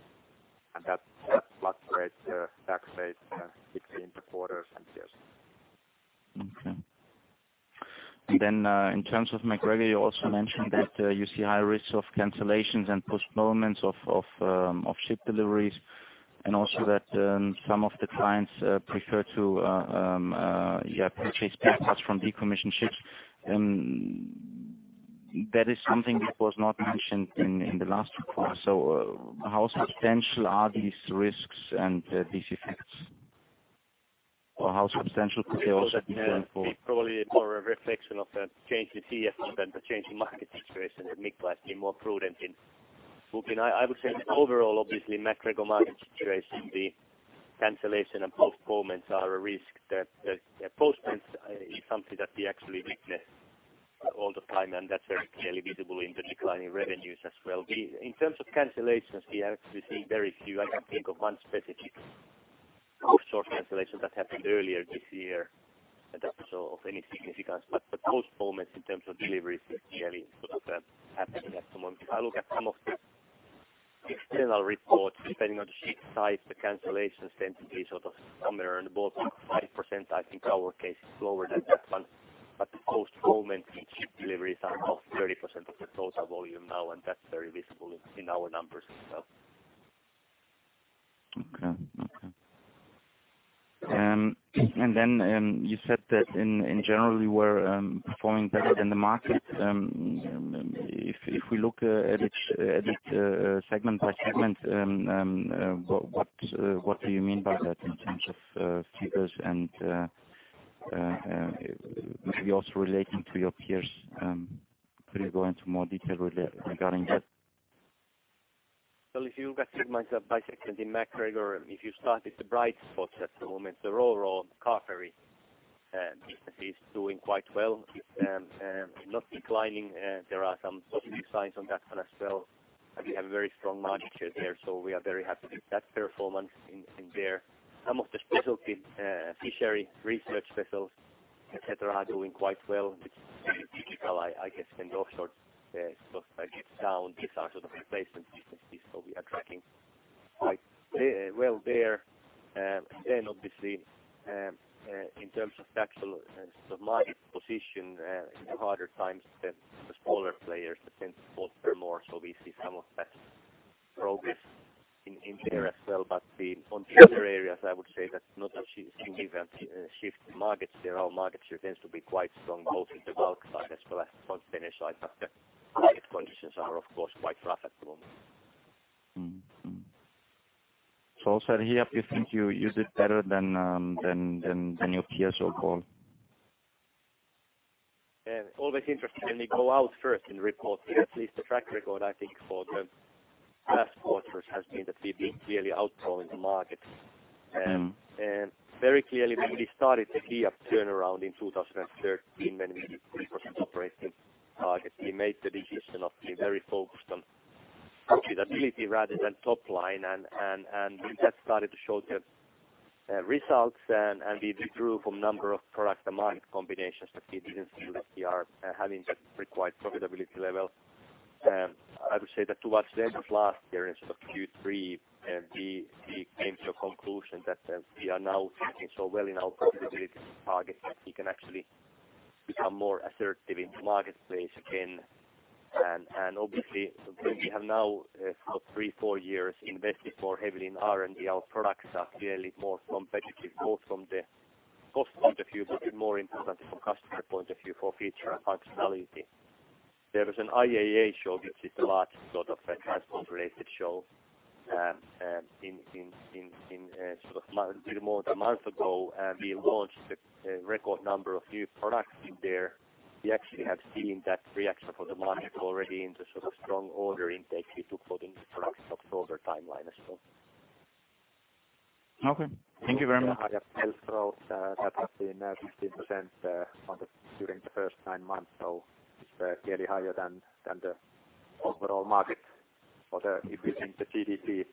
and that fluctuates the tax rate between the quarters and years. Okay. Then, in terms of MacGregor, you also mentioned that you see high risks of cancellations and postponements of ship deliveries, and also that some of the clients prefer to, yeah, purchase parts from decommissioned ships. That is something that was not mentioned in the last report. How substantial are these risks and these effects? Or how substantial could they also be going forward? It's probably more a reflection of a change in CFO than the change in market situation. Mick was being more prudent in booking. I would say overall obviously MacGregor market situation, the cancellation and postponements are a risk. The postponements is something that we actually witness all the time, and that's very clearly visible in the declining revenues as well. In terms of cancellations, we have received very few. I can think of one specific offshore cancellation that happened earlier this year that was of any significance. The postponements in terms of deliveries is clearly sort of happening at the moment. If I look at some of the external reports, depending on the ship size, the cancellations tend to be sort of somewhere in the ballpark 5%. I think our case is lower than that one. Postponements in ship deliveries are about 30% of the total volume now. That's very visible in our numbers as well. Okay. Okay. You said that in general you were performing better than the market. If we look at each segment by segment, what do you mean by that in terms of figures and maybe also relating to your peers, could you go into more detail regarding that? If you recognize that by seconding MacGregor, if you started the bright spots at the moment, the Ro-Ro car ferry business is doing quite well. Not declining. There are some positive signs on that one as well, and we have a very strong manager there, we are very happy with that performance in there. Some of the specialty fishery research vessels, et cetera, are doing quite well, which is very typical, I guess, in the offshore. If I get down, these are sort of replacement businesses, we are tracking quite well there. Obviously, in terms of the actual sort of market position, in harder times than the smaller players tend to bolster more, we see some of that progress in there as well. On the other areas, I would say that not a significant shift in markets. There are markets who tends to be quite strong both in the bulk side as well as on finish side, but the market conditions are of course quite rough at the moment. Also here you think you did better than your peers so far? It's always interesting when we go out first in reporting. At least the track record I think for the last quarters has been that we've been clearly outgrowing the markets. Very clearly when we started to see a turnaround in 2013 when we did 3% operating target, we made the decision of being very focused on profitability rather than top line, and that started to show the results, and we withdrew from number of product demand combinations that we didn't feel like we are having the required profitability level. I would say that towards the end of last year in sort of Q3, we came to a conclusion that we are now thinking so well in our profitability target that we can actually become more assertive in the marketplace again. Obviously, we have now for three, four years invested more heavily in R&D. Our products are clearly more competitive, both from the cost point of view, but more importantly from customer point of view, for feature and functionality. There was an IAA show which is the largest sort of transport-related show a little more than a month ago, we launched a record number of new products in there. We actually have seen that reaction from the market already in the sort of strong order intake we took for the new products of further timeline as well. Okay. Thank you very much. Higher sales growth that has been 15% during the first nine months. It's clearly higher than the overall market for the, if you think the GDP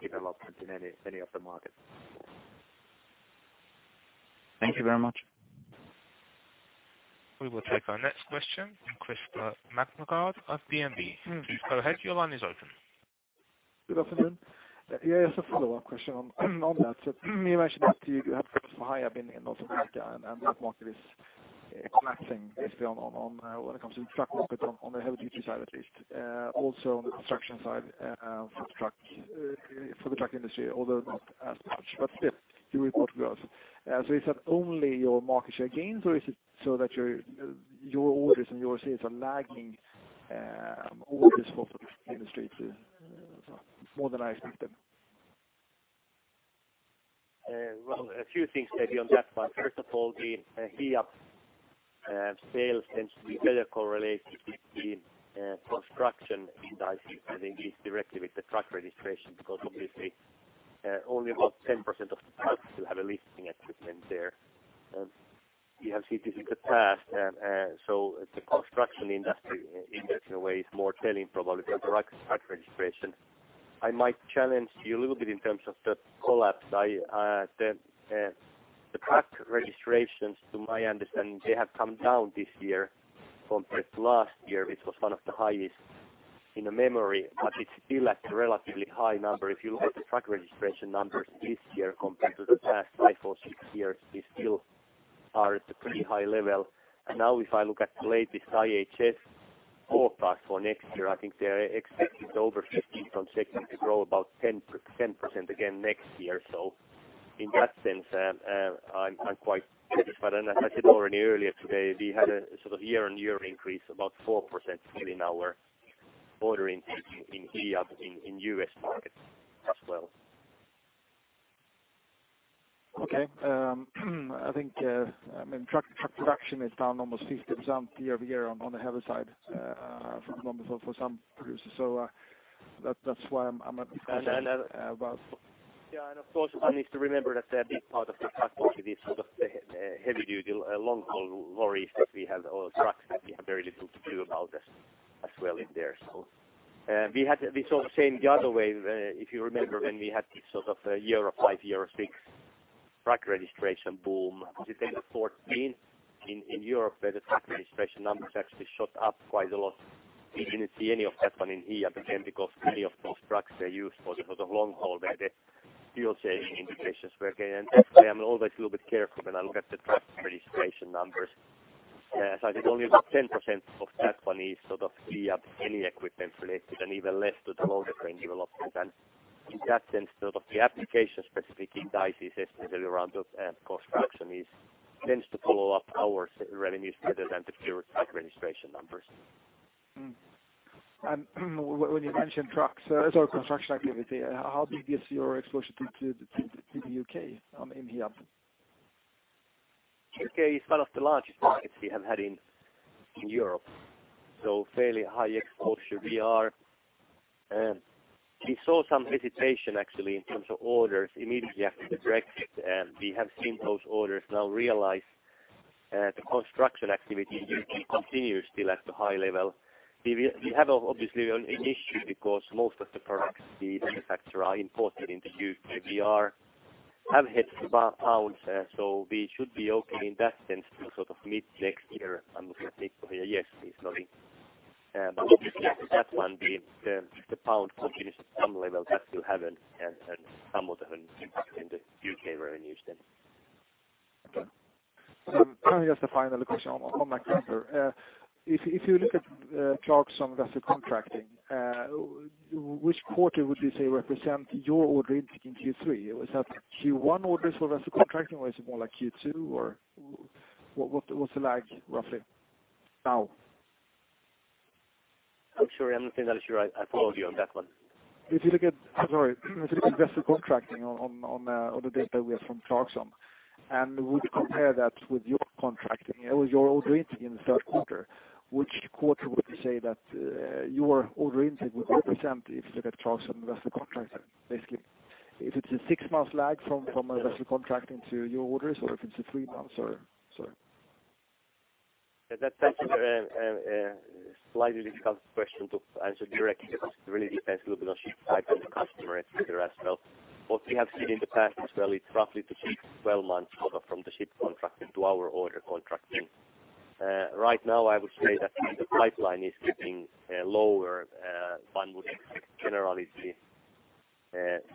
development in any of the markets. Thank you very much. We will take our next question from Christopher McMahon of BNP Paribas. Please go ahead, your line is open. Good afternoon. Yeah, just a follow-up question on that. You mentioned that you have seen some Hiab in North America and that market is collapsing basically on when it comes to the truck market on the heavy-duty side at least. Also on the construction side for the truck industry, although not as much, but still you report growth. Is that only your market share gains or is it so that your orders and your sales are lagging orders for the industry to sort of modernize fleet then? A few things maybe on that one. First of all, the Hiab sales tends to be better correlated with the construction indices than it is directly with the truck registration because obviously, only about 10% of trucks will have a lifting equipment there. We have seen this in the past. The construction industry in that way is more telling probably for direct truck registration. I might challenge you a little bit in terms of the collapse. The truck registrations to my understanding, they have come down this year compared to last year, which was one of the highest in the memory, but it's still at a relatively high number. If you look at the truck registration numbers this year compared to the past five or six years, they still are at a pretty high level. Now if I look at the latest IHS forecast for next year, I think they're expecting over 15% to grow about 10% again next year. In that sense, I'm quite satisfied. As I said already earlier today, we had a sort of year-over-year increase about 4% in our order intake in Hiab in U.S. markets as well. Okay. I think, I mean, truck production is down almost 50% year-over-year on the heavy side, for some producers. That's why I'm a bit concerned about- Yeah, of course, one needs to remember that a big part of the truck market is sort of the heavy-duty, long-haul lorries that we have or trucks that we have very little to do about this as well in there. We saw the same the other way, if you remember when we had this sort of a year of Euro V/VI truck registration boom, was it in 14 in Europe where the truck registration numbers actually shot up quite a lot. We didn't see any of that one in Hiab again, because many of those trucks were used for the sort of long haul where the fuel saving integrations were again. Actually, I'm always a little bit careful when I look at the truck registration numbers. As I said, only about 10% of that one is sort of Hiab any equipment related, and even less to the load train development. In that sense, sort of the application specific indices, especially around the construction tends to follow up our revenues better than the pure truck registration numbers. When you mentioned trucks or construction activity, how big is your exposure to the UK in here? U.K. is one of the largest markets we have had in Europe, fairly high exposure. We saw some visitation actually in terms of orders immediately after the Brexit. We have seen those orders now realized. The construction activity continues still at a high level. We have obviously an issue because most of the products we manufacture are imported into U.K. We have hit the pound, we should be okay in that sense till sort of mid-next year. I'm looking at Niko here, yes, if he's nodding. Obviously after that one, the pound continues to some level that will have somewhat of an impact in the U.K. revenues then. Just a final question on MacGregor. If you look at charts on vessel contracting, which quarter would you say represent your order intake in Q3? Was that Q1 orders for vessel contracting or is it more like Q2 or what's the lag roughly now? I'm sorry. I'm not sure I followed you on that one. Sorry. If you look at vessel contracting on, on the data we have from Clarksons. Would you compare that with your contracting or your order intake in the third quarter, which quarter would you say that your order intake would represent if you look at Clarksons vessel contracting, basically, if it's a six-month lag from a vessel contracting to your orders or if it's a three months or so? That's actually a slightly difficult question to answer directly because it really depends a little bit on ship type and the customer executive as well. What we have seen in the past is really roughly 12 months sort of from the ship contracting to our order contracting. Right now I would say that the pipeline is getting lower, one would generally see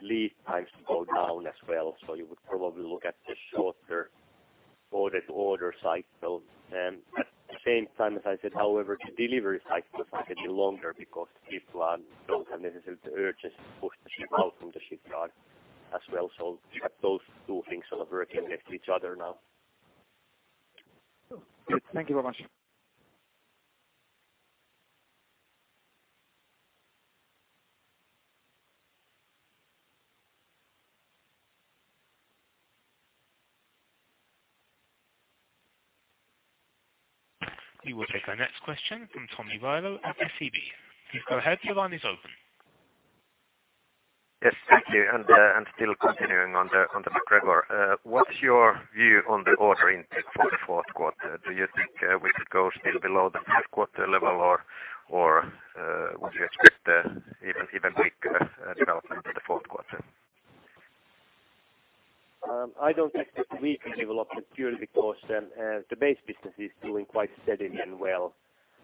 lead times go down as well. You would probably look at the shorter order to order cycle. At the same time, as I said, however, the delivery cycle could be longer because shipyards don't have necessarily the urge to push the ship out from the shipyard as well. You have those two things sort of working against each other now. Cool. Thank you very much. We will take our next question from Tommie Weil at SEB. Please go ahead. Your line is open. Yes, thank you. Still continuing on the MacGregor. What's your view on the order intake for the fourth quarter? Do you think we could go still below the third quarter level or would you expect a even weaker development in the fourth quarter? I don't expect a weaker development purely because the base business is doing quite steadily and well.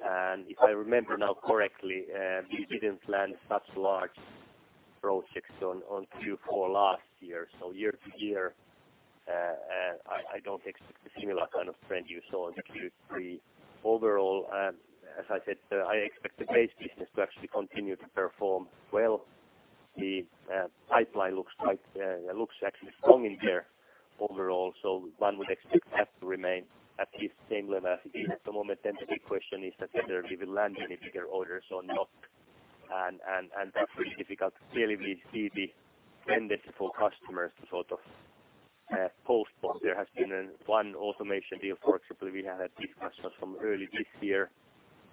If I remember now correctly, we didn't land such large projects on Q4 last year. Year to year, I don't expect a similar kind of trend you saw in Q3. Overall, as I said, I expect the base business to actually continue to perform well. The pipeline looks quite, looks actually strong in there overall, one would expect that to remain at least same level as it is at the moment. The big question is that whether we will land any bigger orders or not, and that's really difficult. Clearly we see the tendency for customers to sort of postpone. There has been one automation deal, for example, we have discussed that from early this year,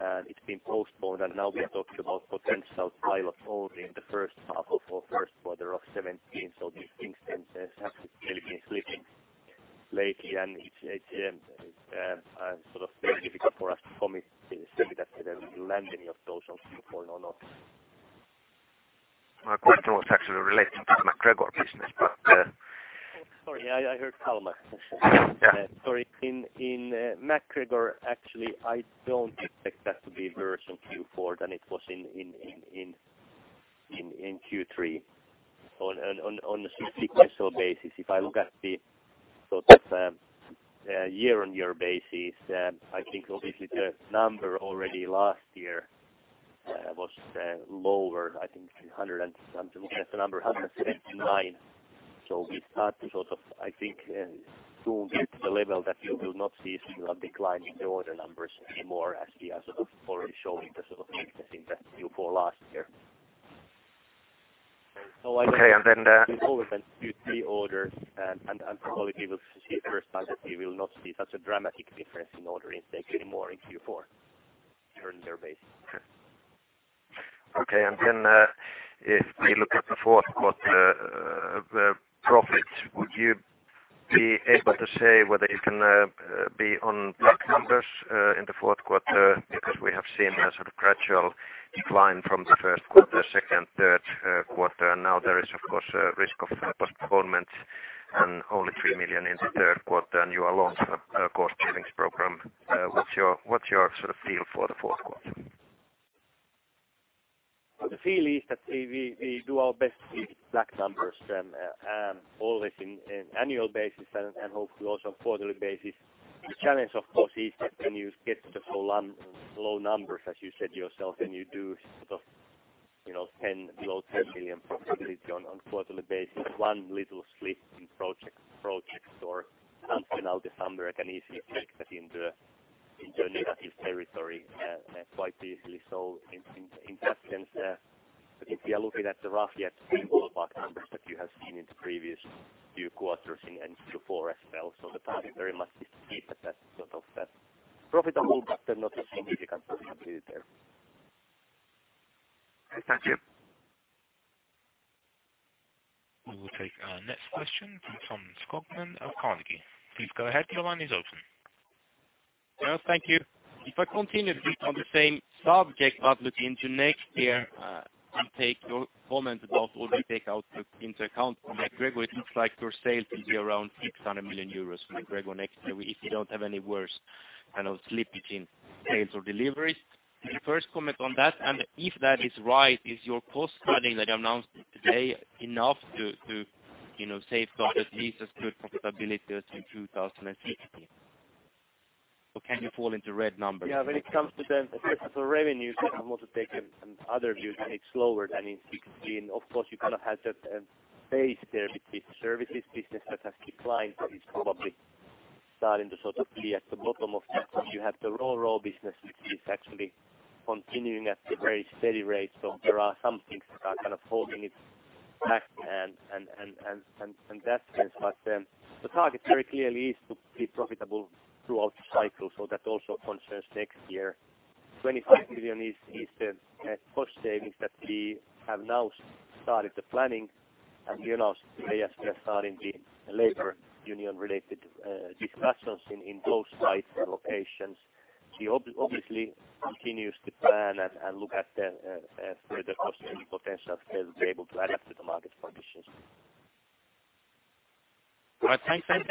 and it's been postponed. Now we are talking about potential pilot only in the first half of or first quarter of 2017. These things then have to really been slipping lately and it's sort of very difficult for us to commit to say that whether we land any of those on Q4 or not. My question was actually relating to the MacGregor business, but. Sorry, I heard Kalmar. Yeah. Sorry. In MacGregor, actually, I don't expect that to be worse in Q4 than it was in Q3 on a CQS sale basis. If I look at the sort of year-on-year basis, I think obviously the number already last year was lower, I think 179. We start to sort of, I think, soon get to the level that you will not see sort of decline in the order numbers anymore as we are sort of already showing the sort of weakness in the Q4 last year. Okay. We've ordered Q3 orders and probably we'll see it first time that we will not see such a dramatic difference in order intake anymore in Q4 during their base. Okay. If we look at the fourth quarter profits, would you be able to say whether it can be on black numbers in the fourth quarter? We have seen a sort of gradual decline from the first quarter, second, third quarter. There is, of course, a risk of postponements and only 3 million in the third quarter. You are launching a cost savings program. What's your sort of feel for the fourth quarter? The feel is that we do our best to see black numbers always in annual basis and hopefully also on quarterly basis. The challenge of course is that when you get such low numbers as you said yourself and you do sort of, you know, 10 below 10 million profitability on quarterly basis. One little slip in project or something out of somewhere can easily take that into a negative territory quite easily. In that sense, if you are looking at the rough yet numbers that you have seen in the previous few quarters and into Q4 as well. The target very much is to keep it at sort of profitable but not a significant profitability there. Thank you. We will take our next question from Tom Skogman of Carnegie. Please go ahead your line is open. Yes, thank you. If I continue on the same subject but looking into next year, and take your comment about what we take out into account from MacGregor, it looks like your sales will be around 600 million euros for MacGregor next year, if you don't have any worse kind of slip between sales or deliveries. Can you first comment on that? If that is right, is your cost cutting that you announced today enough to, you know, safeguard at least as good profitability as in 2016? Or can you fall into red numbers? Yeah. When it comes to the revenue, I want to take aother view and it's slower than in 2016. Of course, you kind of have that base there between services business that has declined, but it's probably starting to sort of be at the bottom of that. You have the Ro-Ro business, which is actually continuing at a very steady rate. There are some things that are kind of holding it back and that's it. The target very clearly is to be profitable throughout the cycle. That also concerns next year. 25 million is the cost savings that we have now started the planning and we announced today as we are starting the labor union related discussions in those five locations. We obviously continues to plan and look at the further cost saving potential that will be able to add up to the market conditions. All right, thanks.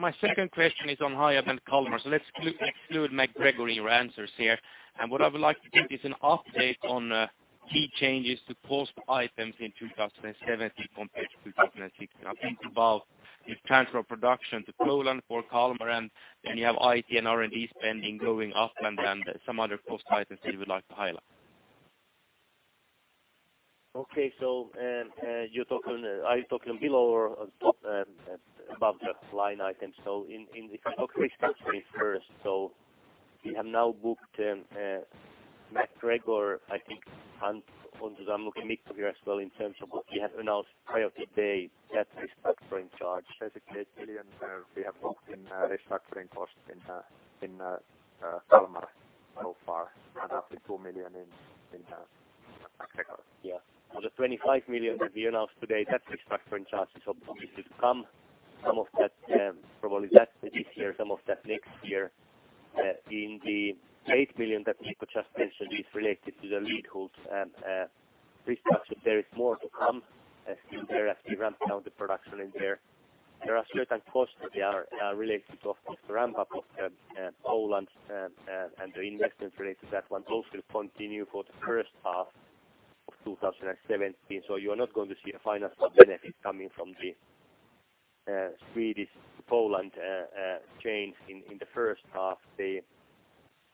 My second question is on Hiab Kalmar. Let's exclude MacGregor in your answers here. What I would like to get is an update on key changes to cost items in 2017 compared to 2016. I think about the transfer of production to Poland for Kalmar, and then you have IT and R&D spending going up and then some other cost items that you would like to highlight. Okay. Are you talking below or above the line items? So in the first, so we have now booked MacGregor, I think, and onto the Mikko here as well in terms of what we have announced prior to today that restructuring charge. Basically 8 million, we have booked in restructuring costs in Kalmar so far, and up to 2 million in MacGregor. The 25 million that we announced today, that restructuring charge is obviously to come. Some of that probably this year, some of that next year. The 8 million that Mikko just mentioned is related to the Lidköping restructure. There is more to come in there as we ramp down the production in there. There are certain costs that are related to ramp-up of Poland and the investment related to that one. Those will continue for the first half of 2017. You are not going to see a financial benefit coming from the Swedish to Poland change in the first half.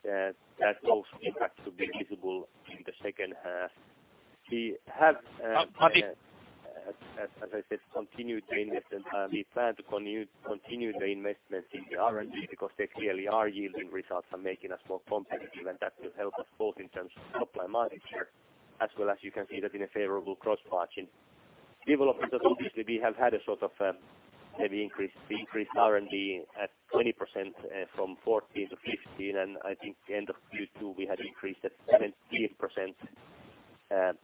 Those impacts will be visible in the second half. We have. Pasi- As I said, continued the investment. We plan to continue the investments in the R&D because they clearly are yielding results and making us more competitive, and that will help us both in terms of top line market share, as well as you can see that in a favorable cross margin development. Obviously we have had a sort of, maybe increase. We increased R&D at 20%, from 14 to 15, and I think end of Q2 we had increased at 17%,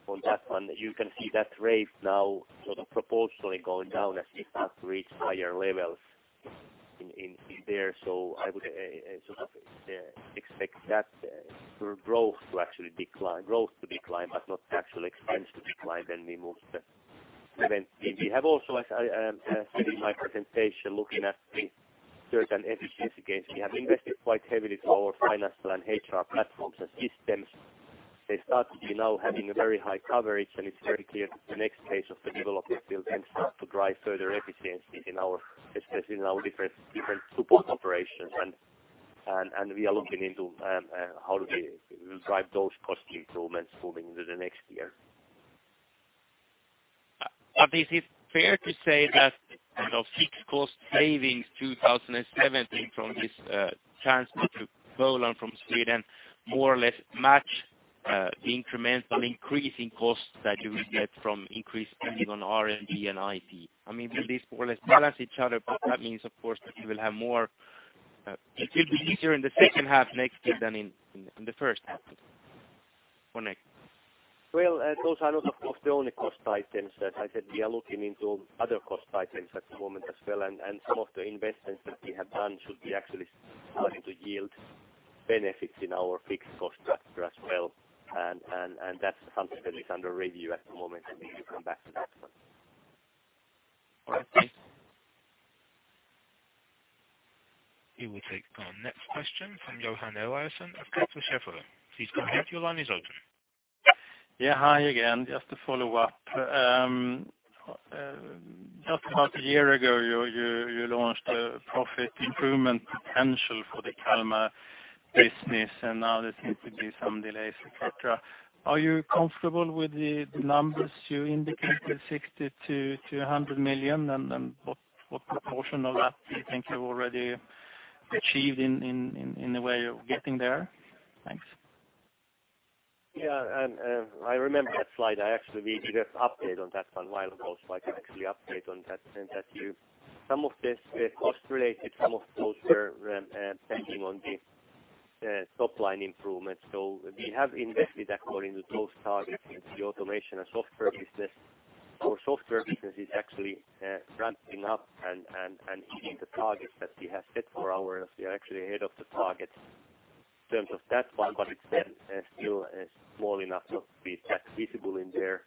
on that one. You can see that rate now sort of proportionally going down as we start to reach higher levels in there. I would sort of expect that growth to actually decline, growth to decline, but not the actual expense to decline we move the event. We have also, as I said in my presentation, looking at the certain efficiency gains. We have invested quite heavily to our financial and HR platforms and systems. They start to be now having a very high coverage, and it's very clear that the next phase of the development will then start to drive further efficiency in our, especially in our different support operations. We are looking into how do we drive those cost improvements moving into the next year. Is it fair to say that kind of fixed cost savings 2017 from this transfer to Poland from Sweden more or less match the incremental increase in costs that you will get from increased spending on R&D and IT? I mean, will this more or less balance each other? That means, of course, that you will have more, it will be easier in the second half next year than in the first half or next? Well, those are not of course the only cost items. As I said, we are looking into other cost items at the moment as well. Some of the investments that we have done should be actually starting to yield benefits in our fixed cost structure as well. That's something that is under review at the moment, and we will come back to that one. All right, thanks. We will take our next question from Johan Eliason of DNB. Please go ahead your line is open. Yeah. Hi again. Just to follow up. Just about a year ago, you launched a profit improvement potential for the Kalmar- Business. Now there seems to be some delays, et cetera. Are you comfortable with the numbers you indicated 60 million to 100 million? What proportion of that do you think you've already achieved in, in the way of getting there? Thanks. Yeah. I remember that slide. I actually we did an update on that one while ago, so I can actually update on that and that you... Some of this cost related, some of those were, depending on the top line improvements. We have invested according to those targets into the automation and software business. Our software business is actually ramping up and hitting the targets that we have set for our... We are actually ahead of the target in terms of that one, but it's then, still, small enough to be that visible in there.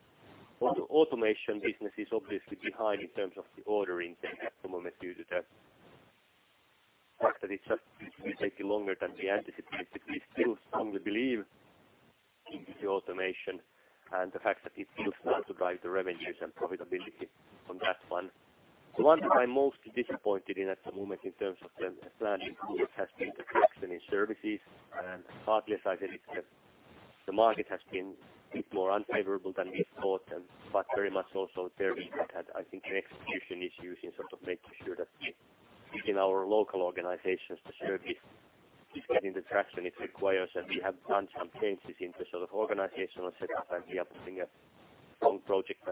The automation business is obviously behind in terms of the order intake at the moment due to the fact that it's just taking longer than we anticipated. We still strongly believe in the automation and the fact that it will start to drive the revenues and profitability from that one. The one that I'm most disappointed in at the moment in terms of the planned improvement has been the traction in services. Partly, as I said, it's the market has been a bit more unfavorable than we thought and but very much also there we have had, I think, execution issues in sort of making sure that we in our local organizations, the service is getting the traction it requires, and we have done some changes in the sort of organizational setup, and we are putting a strong project,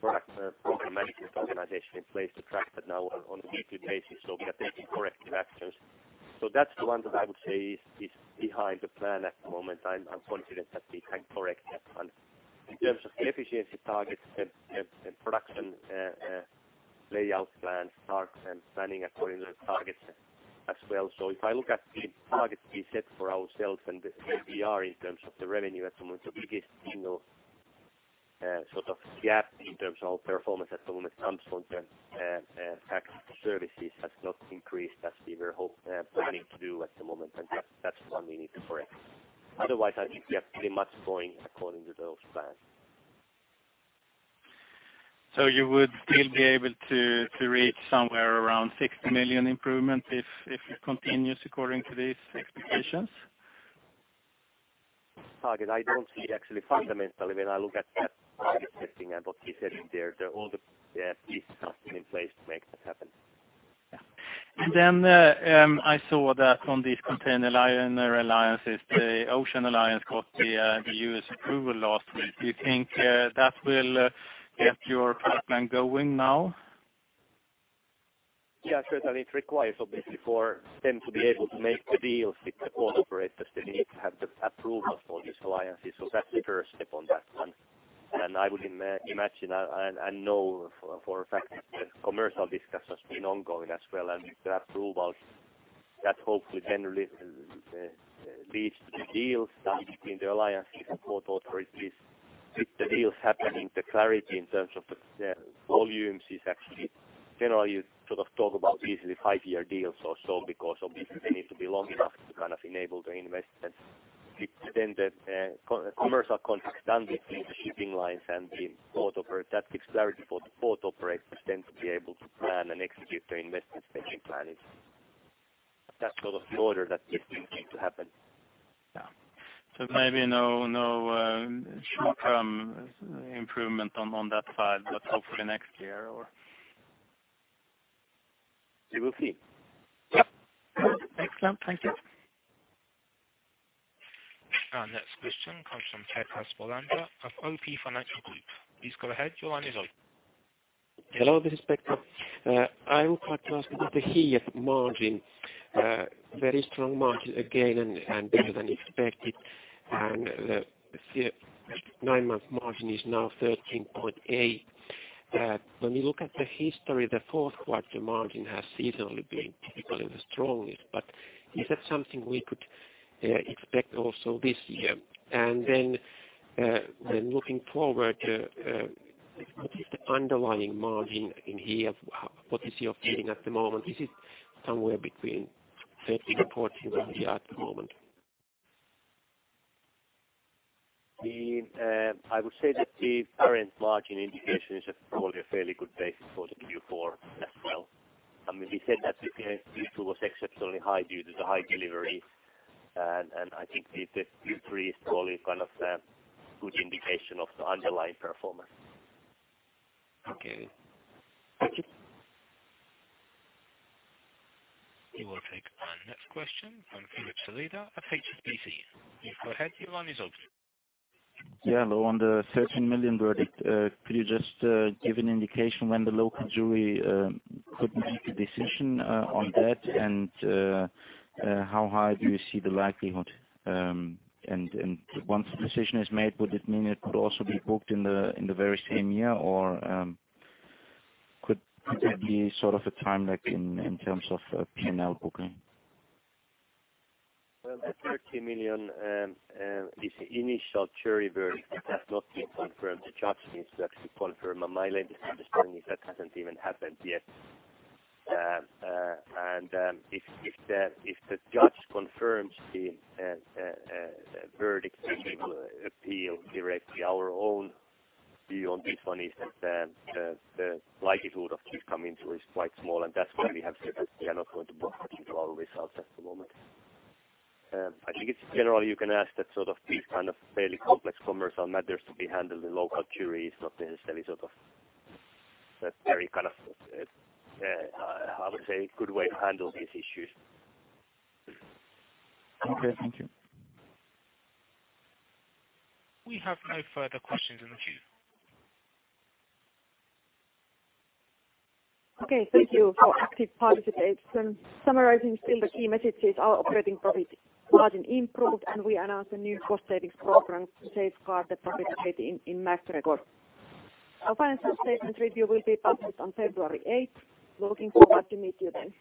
product, project management organization in place to track that now on a weekly basis, so we are taking corrective actions. That's the one that I would say is behind the plan at the moment. I'm confident that we can correct that one. In terms of efficiency targets and production layout plans, targets and planning according to the targets as well. If I look at the targets we set for ourselves and where we are in terms of the revenue at the moment, the biggest single sort of gap in terms of performance at the moment comes from the fact that services has not increased as we were planning to do at the moment, and that's one we need to correct. Otherwise, I think we are pretty much going according to those plans. You would still be able to reach somewhere around 60 million improvement if it continues according to these expectations? Target. I don't see actually fundamentally when I look at that target setting and what we said in there, all the pieces are in place to make that happen. Yeah. I saw that on these container liner alliances, the Ocean Alliance got the U.S. approval last week. Do you think, that will, get your pipeline going now? Certainly it requires obviously for them to be able to make the deals with the port operators, they need to have the approval for these alliances. That's the first step on that one. I would imagine, and I know for a fact that the commercial discussions been ongoing as well, and with the approvals that hopefully then leads to the deals between the alliances and port authorities. If the deals happen in the clarity in terms of the volumes is actually. Generally you sort of talk about these as 5-year deals or so because obviously they need to be long enough to kind of enable the investments. The co-commercial contracts done between the shipping lines and the port operators that gives clarity for the port operators then to be able to plan and execute their investment spending plan. That's sort of the order that these things need to happen. Yeah. Maybe no short-term improvement on that side, but hopefully next year or? We will see. Yep. Excellent. Thank you. Our next question comes from Petra Sårfors of OP Financial Group. Please go ahead. Your line is open. Hello, this is Petra. I would like to ask about the Hiab margin. Very strong margin again and better than expected. The 9-month margin is now 13.8%. When we look at the history, the fourth quarter margin has seasonally been typically the strongest, is that something we could expect also this year? When looking forward, what is the underlying margin in here? What is your feeling at the moment? Is it somewhere between 30%-40% we have at the moment? The, I would say that the current margin indication is a probably a fairly good basis for the Q4 as well. I mean, we said that the Q2 was exceptionally high due to the high delivery. I think the Q3 is probably kind of a good indication of the underlying performance. Okay. Thank you. We will take our next question from Philip Saliba at HSBC. Please go ahead, your line is open. Yeah. Hello. On the 13 million verdict, could you just give an indication when the local jury could make a decision on that? How high do you see the likelihood? Once the decision is made, would it mean it could also be booked in the very same year? Could that be sort of a time lag in terms of P&L booking? Well, the 13 million is initial jury verdict. It has not been confirmed. The judge needs to actually confirm. My understanding is that hasn't even happened yet. If the judge confirms the verdict, then we will appeal directly. Our own view on this one is that the likelihood of this coming through is quite small, and that's why we have said that we are not going to book it into our results at the moment. I think it's generally you can ask that sort of these kind of fairly complex commercial matters to be handled in local juries, not necessarily sort of a very kind of, I would say good way to handle these issues. Okay, thank you. We have no further questions in the queue. Okay, thank you for active participation. Summarizing still the key messages, our operating profit margin improved. We announced a new cost savings program to safeguard the profitability in MacGregor. Our financial statement review will be published on February eighth. Looking forward to meet you then.